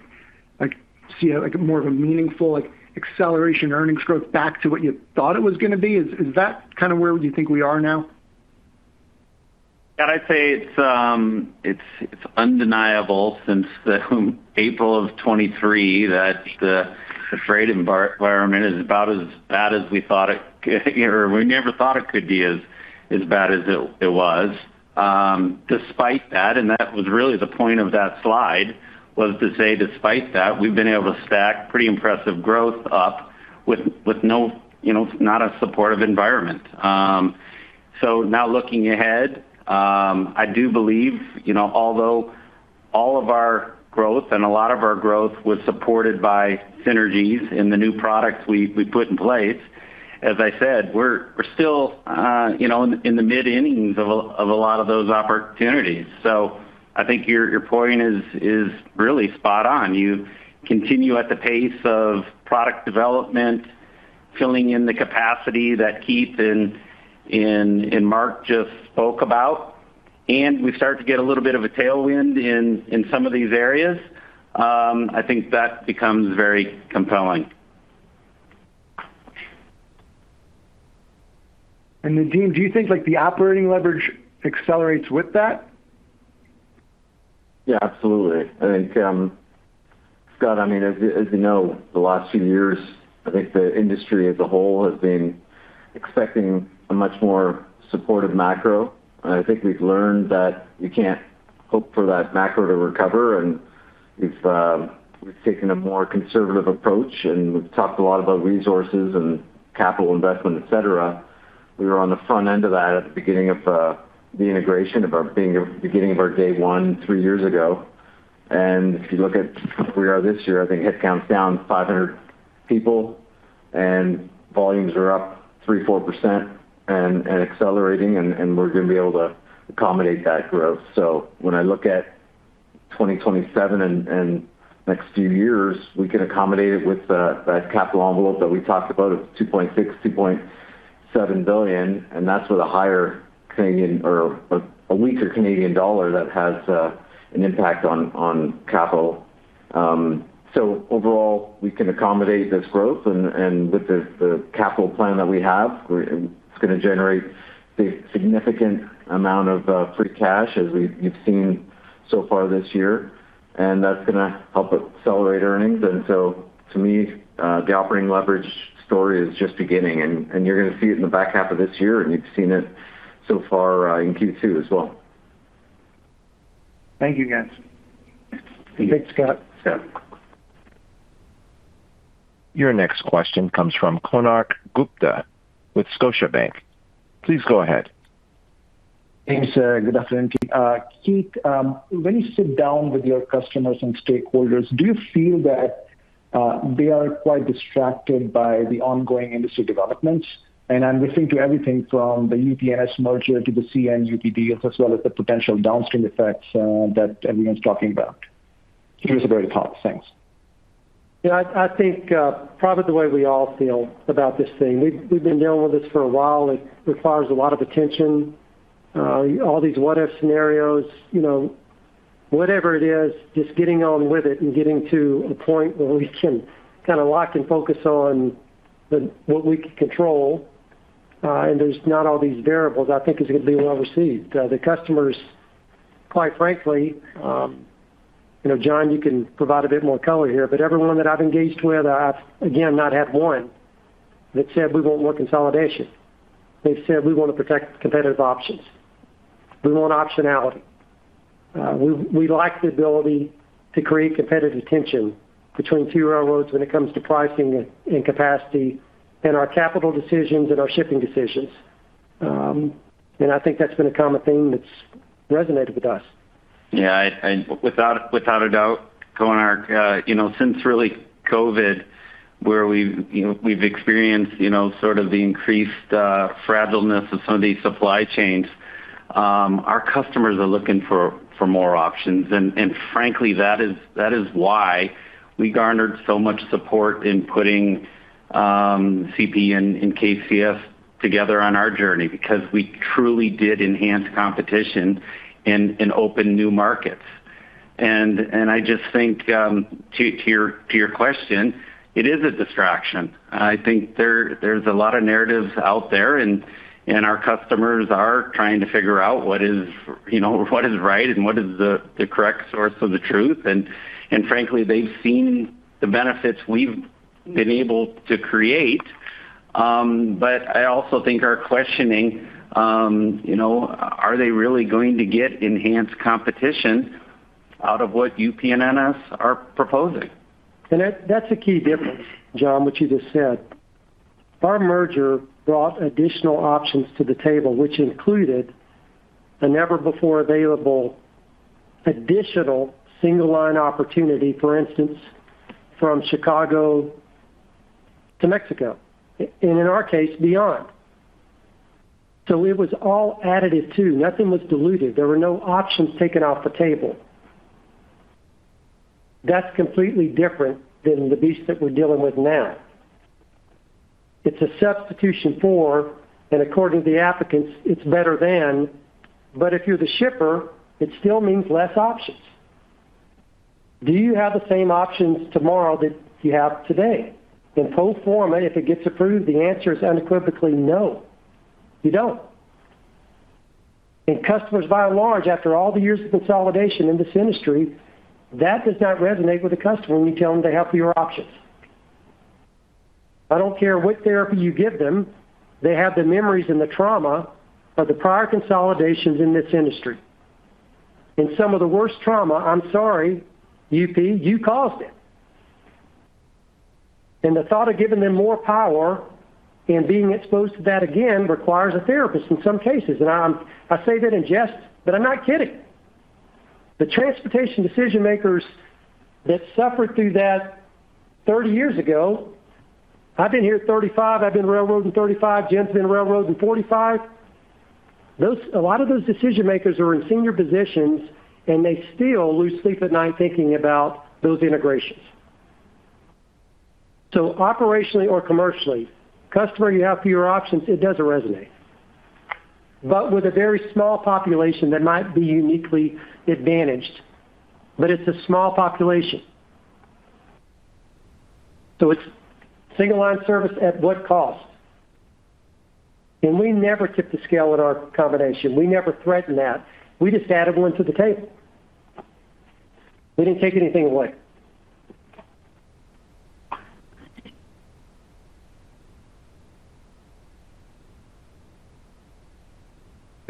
see more of a meaningful acceleration earnings growth back to what you thought it was going to be? Is that kind of where you think we are now? Yeah, I'd say it's undeniable since the April of 2023 that the freight environment is about as bad as we never thought it could be as bad as it was. Despite that, and that was really the point of that slide, was to say despite that, we've been able to stack pretty impressive growth up with not a supportive environment. Now looking ahead, I do believe although all of our growth and a lot of our growth was supported by synergies in the new products we put in place, as I said, we're still in the mid innings of a lot of those opportunities. I think your point is really spot on. You continue at the pace of product development, filling in the capacity that Keith and Mark just spoke about, we start to get a little bit of a tailwind in some of these areas. I think that becomes very compelling. Nadeem, do you think the operating leverage accelerates with that? Yeah, absolutely. I think, Scott, as you know, the last few years, I think the industry as a whole has been expecting a much more supportive macro. I think we've learned that you can't hope for that macro to recover, and we've taken a more conservative approach, and we've talked a lot about resources and capital investment, et cetera. We were on the front end of that at the beginning of our day one, three years ago. If you look at where we are this year, I think headcount's down 500 people and volumes are up 3%, 4% and accelerating, and we're going to be able to accommodate that growth. When I look at 2027 and next few years, we can accommodate it with the capital envelope that we talked about of 2.6 billion, 2.7 billion, and that's with a weaker Canadian dollar that has an impact on capital. Overall, we can accommodate this growth and with the capital plan that we have, it's going to generate significant amount of free cash as you've seen so far this year, and that's going to help accelerate earnings. To me, the operating leverage story is just beginning and you're going to see it in the back half of this year, and you've seen it so far in Q2 as well. Thank you, guys. Thanks, Scott. Yeah. Your next question comes from Konark Gupta with Scotiabank. Please go ahead. Thanks. Good afternoon, team. Keith, when you sit down with your customers and stakeholders, do you feel that they are quite distracted by the ongoing industry developments? I'm referring to everything from the UP-NS merger to the CN-UP deals as well as the potential downstream effects that everyone's talking about. It was very powerful. Thanks. I think probably the way we all feel about this thing. We've been dealing with this for a while. It requires a lot of attention. All these what-if scenarios. Whatever it is, just getting on with it and getting to a point where we can kind of lock and focus on what we can control, and there's not all these variables, I think is going to be well-received. The customers, quite frankly— John, you can provide a bit more color here. Everyone that I've engaged with, I've, again, not had one that said, "We want more consolidation." They've said, "We want to protect competitive options. We want optionality. We like the ability to create competitive tension between two railroads when it comes to pricing and capacity in our capital decisions and our shipping decisions." I think that's been a common theme that's resonated with us. Without a doubt, Konark. Since, really, COVID, where we've experienced sort of the increased fragileness of some of these supply chains, our customers are looking for more options. Frankly, that is why we garnered so much support in putting CP and KCS together on our journey, because we truly did enhance competition and open new markets. I just think, to your question, it is a distraction. I think there's a lot of narratives out there, and our customers are trying to figure out what is right and what is the correct source of the truth. Frankly, they've seen the benefits we've been able to create. I also think are questioning, are they really going to get enhanced competition out of what UP and NS are proposing? That's a key difference, John, what you just said. Our merger brought additional options to the table, which included a never-before-available additional single-line opportunity. For instance, from Chicago to Mexico. In our case, beyond. It was all additive too. Nothing was diluted. There were no options taken off the table. That's completely different than the beast that we're dealing with now. It's a substitution for, and according to the applicants, it's better than. But if you're the shipper, it still means less options. Do you have the same options tomorrow that you have today? In full form, and if it gets approved, the answer is unequivocally no. You don't. Customers, by and large, after all the years of consolidation in this industry, that does not resonate with a customer when you tell them they have fewer options. I don't care what therapy you give them, they have the memories and the trauma of the prior consolidations in this industry. Some of the worst trauma, I'm sorry, UP, you caused it. The thought of giving them more power and being exposed to that again requires a therapist in some cases. I say that in jest, but I'm not kidding. The transportation decision-makers that suffered through that 30 years ago, I've been here 35, I've been railroading 35, Jim's been railroading 45. A lot of those decision-makers are in senior positions, and they still lose sleep at night thinking about those integrations. Operationally or commercially, customer, you have fewer options, it doesn't resonate. With a very small population, they might be uniquely advantaged. It's a small population. It's single-line service at what cost? We never tipped the scale at our combination. We never threatened that. We just added one to the table. We didn't take anything away.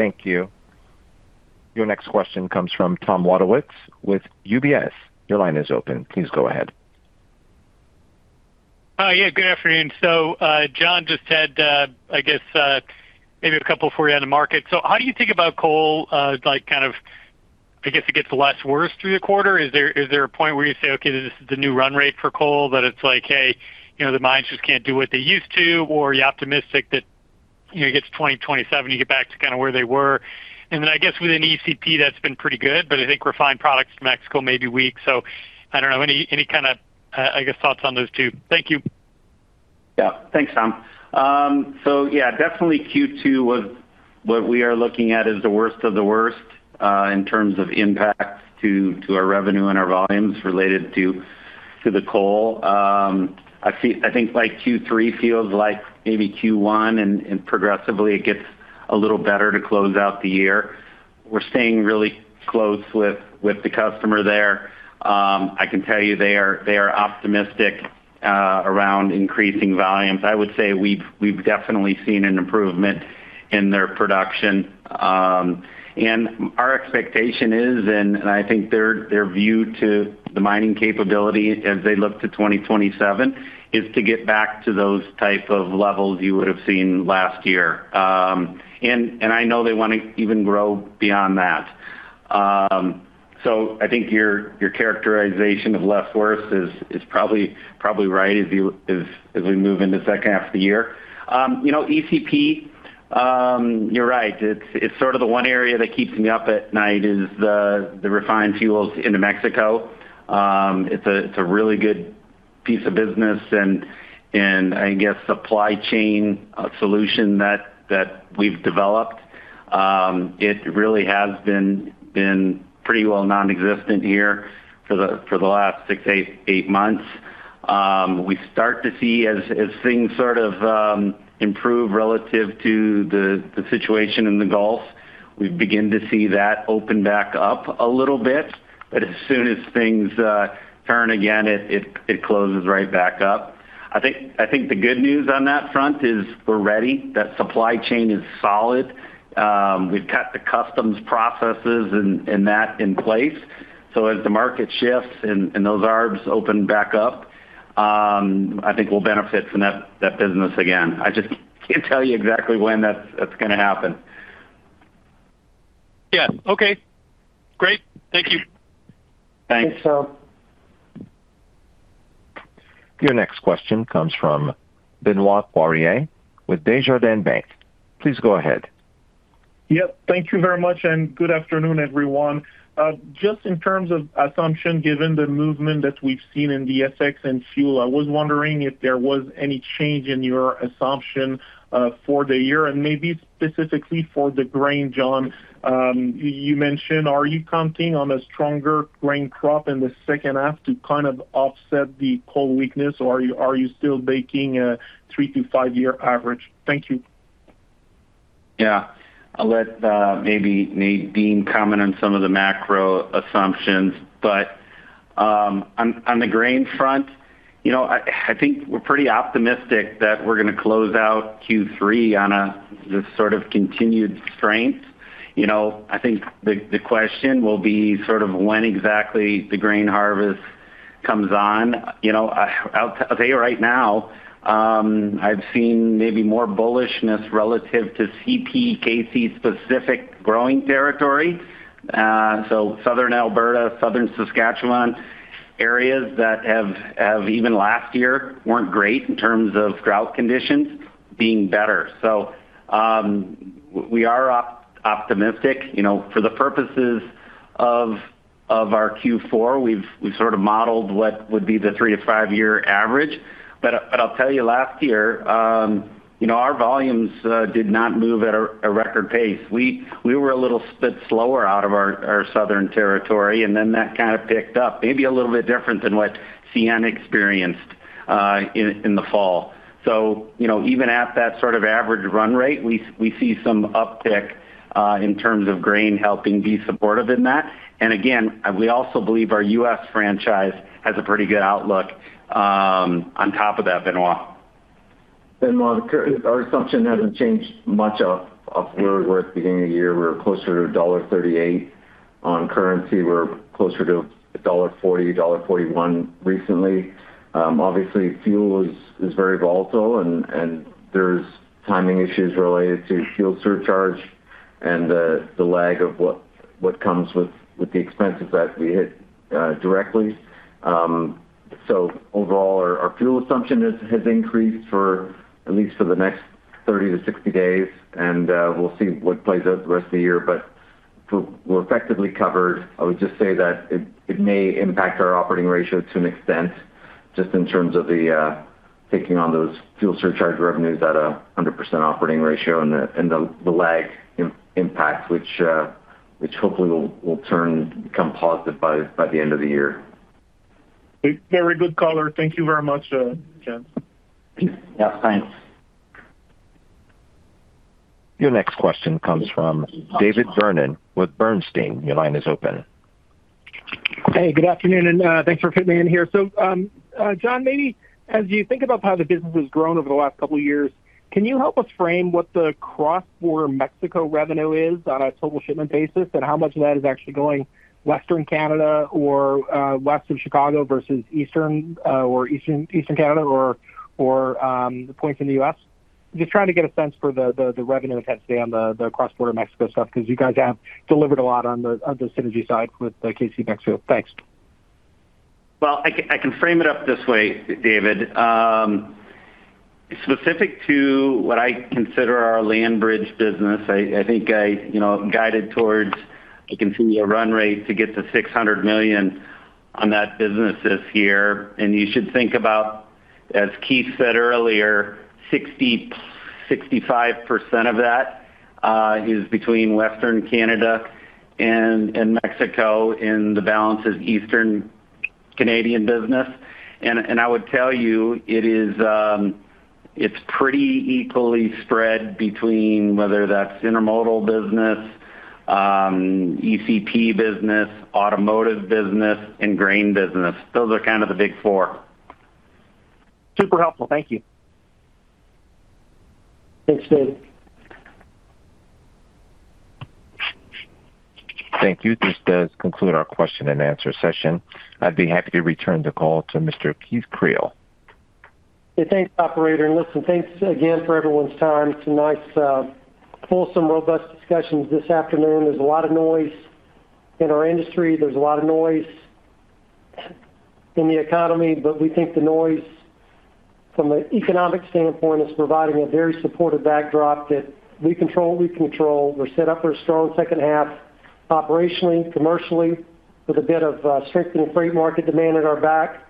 Thank you. Your next question comes from Tom Wadewitz with UBS. Your line is open. Please go ahead. Yeah, good afternoon. John just had, I guess, maybe a couple for you on the market. How do you think about coal, I guess it gets less worse through the quarter? Is there a point where you say, "Okay, this is the new run rate for coal?" That it's like, "Hey, the mines just can't do what they used to." Are you optimistic that it gets to 2027, you get back to kind of where they were? I guess with ECP, that's been pretty good, but I think refined products to Mexico may be weak. I don't know. Any kind of, I guess, thoughts on those two. Thank you. Yeah. Thanks, Tom. Yeah, definitely Q2 was what we are looking at as the worst of the worst in terms of impacts to our revenue and our volumes related to the coal. I think Q3 feels like maybe Q1, progressively it gets a little better to close out the year. We're staying really close with the customer there. I can tell you they are optimistic around increasing volumes. I would say we've definitely seen an improvement in their production. Our expectation is, I think their view to the mining capability as they look to 2027, is to get back to those type of levels you would have seen last year. I know they want to even grow beyond that. I think your characterization of less worse is probably right as we move into the second half of the year. ECP, you're right. It's the one area that keeps me up at night is the refined fuels into Mexico. It's a really good piece of business and I guess supply chain solution that we've developed. It really has been pretty well non-existent here for the last six, eight months. We start to see as things sort of improve relative to the situation in the Gulf, we begin to see that open back up a little bit. As soon as things turn again, it closes right back up. I think the good news on that front is we're ready. That supply chain is solid. We've got the customs processes and that in place. As the market shifts and those arbs open back up, I think we'll benefit from that business again. I just can't tell you exactly when that's going to happen. Yeah. Okay, great. Thank you. Thanks. Thanks, Tom. Your next question comes from Benoit Poirier with Desjardins Bank. Please go ahead. Yep. Thank you very much, and good afternoon, everyone. Just in terms of assumption, given the movement that we've seen in the FX and fuel, I was wondering if there was any change in your assumption for the year? Maybe specifically for the grain, John. You mentioned, are you counting on a stronger grain crop in the second half to kind of offset the coal weakness, or are you still making a three to five-year average? Thank you. Yeah. I'll let maybe Nadeem comment on some of the macro assumptions. On the grain front, I think we're pretty optimistic that we're going to close out Q3 on a just sort of continued strength. I think the question will be sort of when exactly the grain harvest comes on. I'll tell you right now, I've seen maybe more bullishness relative to CPKC's specific growing territory. Southern Alberta, Southern Saskatchewan, areas that have even last year weren't great in terms of drought conditions being better. We are optimistic. For the purposes of our Q4, we've sort of modeled what would be the three to five-year average. I'll tell you last year, our volumes did not move at a record pace. We were a little bit slower out of our southern territory, and then that kind of picked up. Maybe a little bit different than what CN experienced in the fall. Even at that sort of average run rate, we see some uptick in terms of grain helping be supportive in that. Again, we also believe our U.S. franchise has a pretty good outlook on top of that, Benoit. Benoit, our assumption hasn't changed much off where it was at the beginning of the year. We were closer to dollar 1.38 on currency. We're closer to dollar 1.40, dollar 1.41 recently. Obviously, fuel is very volatile, and there's timing issues related to fuel surcharge and the lag of what comes with the expenses that we hit directly. Overall, our fuel assumption has increased for at least for the next 30-60 days, and we'll see what plays out the rest of the year. We're effectively covered. I would just say that it may impact our operating ratio to an extent, just in terms of the taking on those fuel surcharge revenues at 100% operating ratio and the lag impact, which hopefully will turn become positive by the end of the year. Very good color. Thank you very much, gents. Yeah, thanks. Your next question comes from David Vernon with Bernstein. Your line is open. Hey, good afternoon, and thanks for fitting me in here. John, maybe as you think about how the business has grown over the last couple of years, can you help us frame what the cross-border Mexico revenue is on a total shipment basis and how much of that is actually going Western Canada or west of Chicago versus Eastern Canada or points in the U.S.? Just trying to get a sense for the revenue that's on the cross-border Mexico stuff, because you guys have delivered a lot on the synergy side with the KC-Mexico. Thanks. I can frame it up this way, David. Specific to what I consider our land bridge business, I think I guided towards a continual run rate to get to $600 million on that business this year. You should think about, as Keith said earlier, 60%-65% of that is between Western Canada and Mexico, the balance is Eastern Canadian business. I would tell you it's pretty equally spread between whether that's intermodal business, ECP business, automotive business, and grain business. Those are kind of the big four. Super helpful. Thank you. Thanks, David. Thank you. This does conclude our question-and-answer session. I'd be happy to return the call to Mr. Keith Creel. Hey, thanks, operator. Listen, thanks again for everyone's time. It's a nice, fulsome, robust discussions this afternoon. There's a lot of noise in our industry. There's a lot of noise in the economy, but we think the noise from an economic standpoint is providing a very supportive backdrop that we control what we control. We're set up for a strong second half operationally, commercially, with a bit of strengthening freight market demand at our back.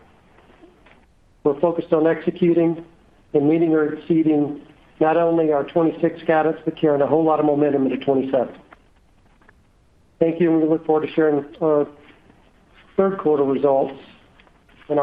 We're focused on executing and meeting or exceeding not only our 2026 guidance, but carrying a whole lot of momentum into 2027. Thank you, and we look forward to sharing our third quarter results.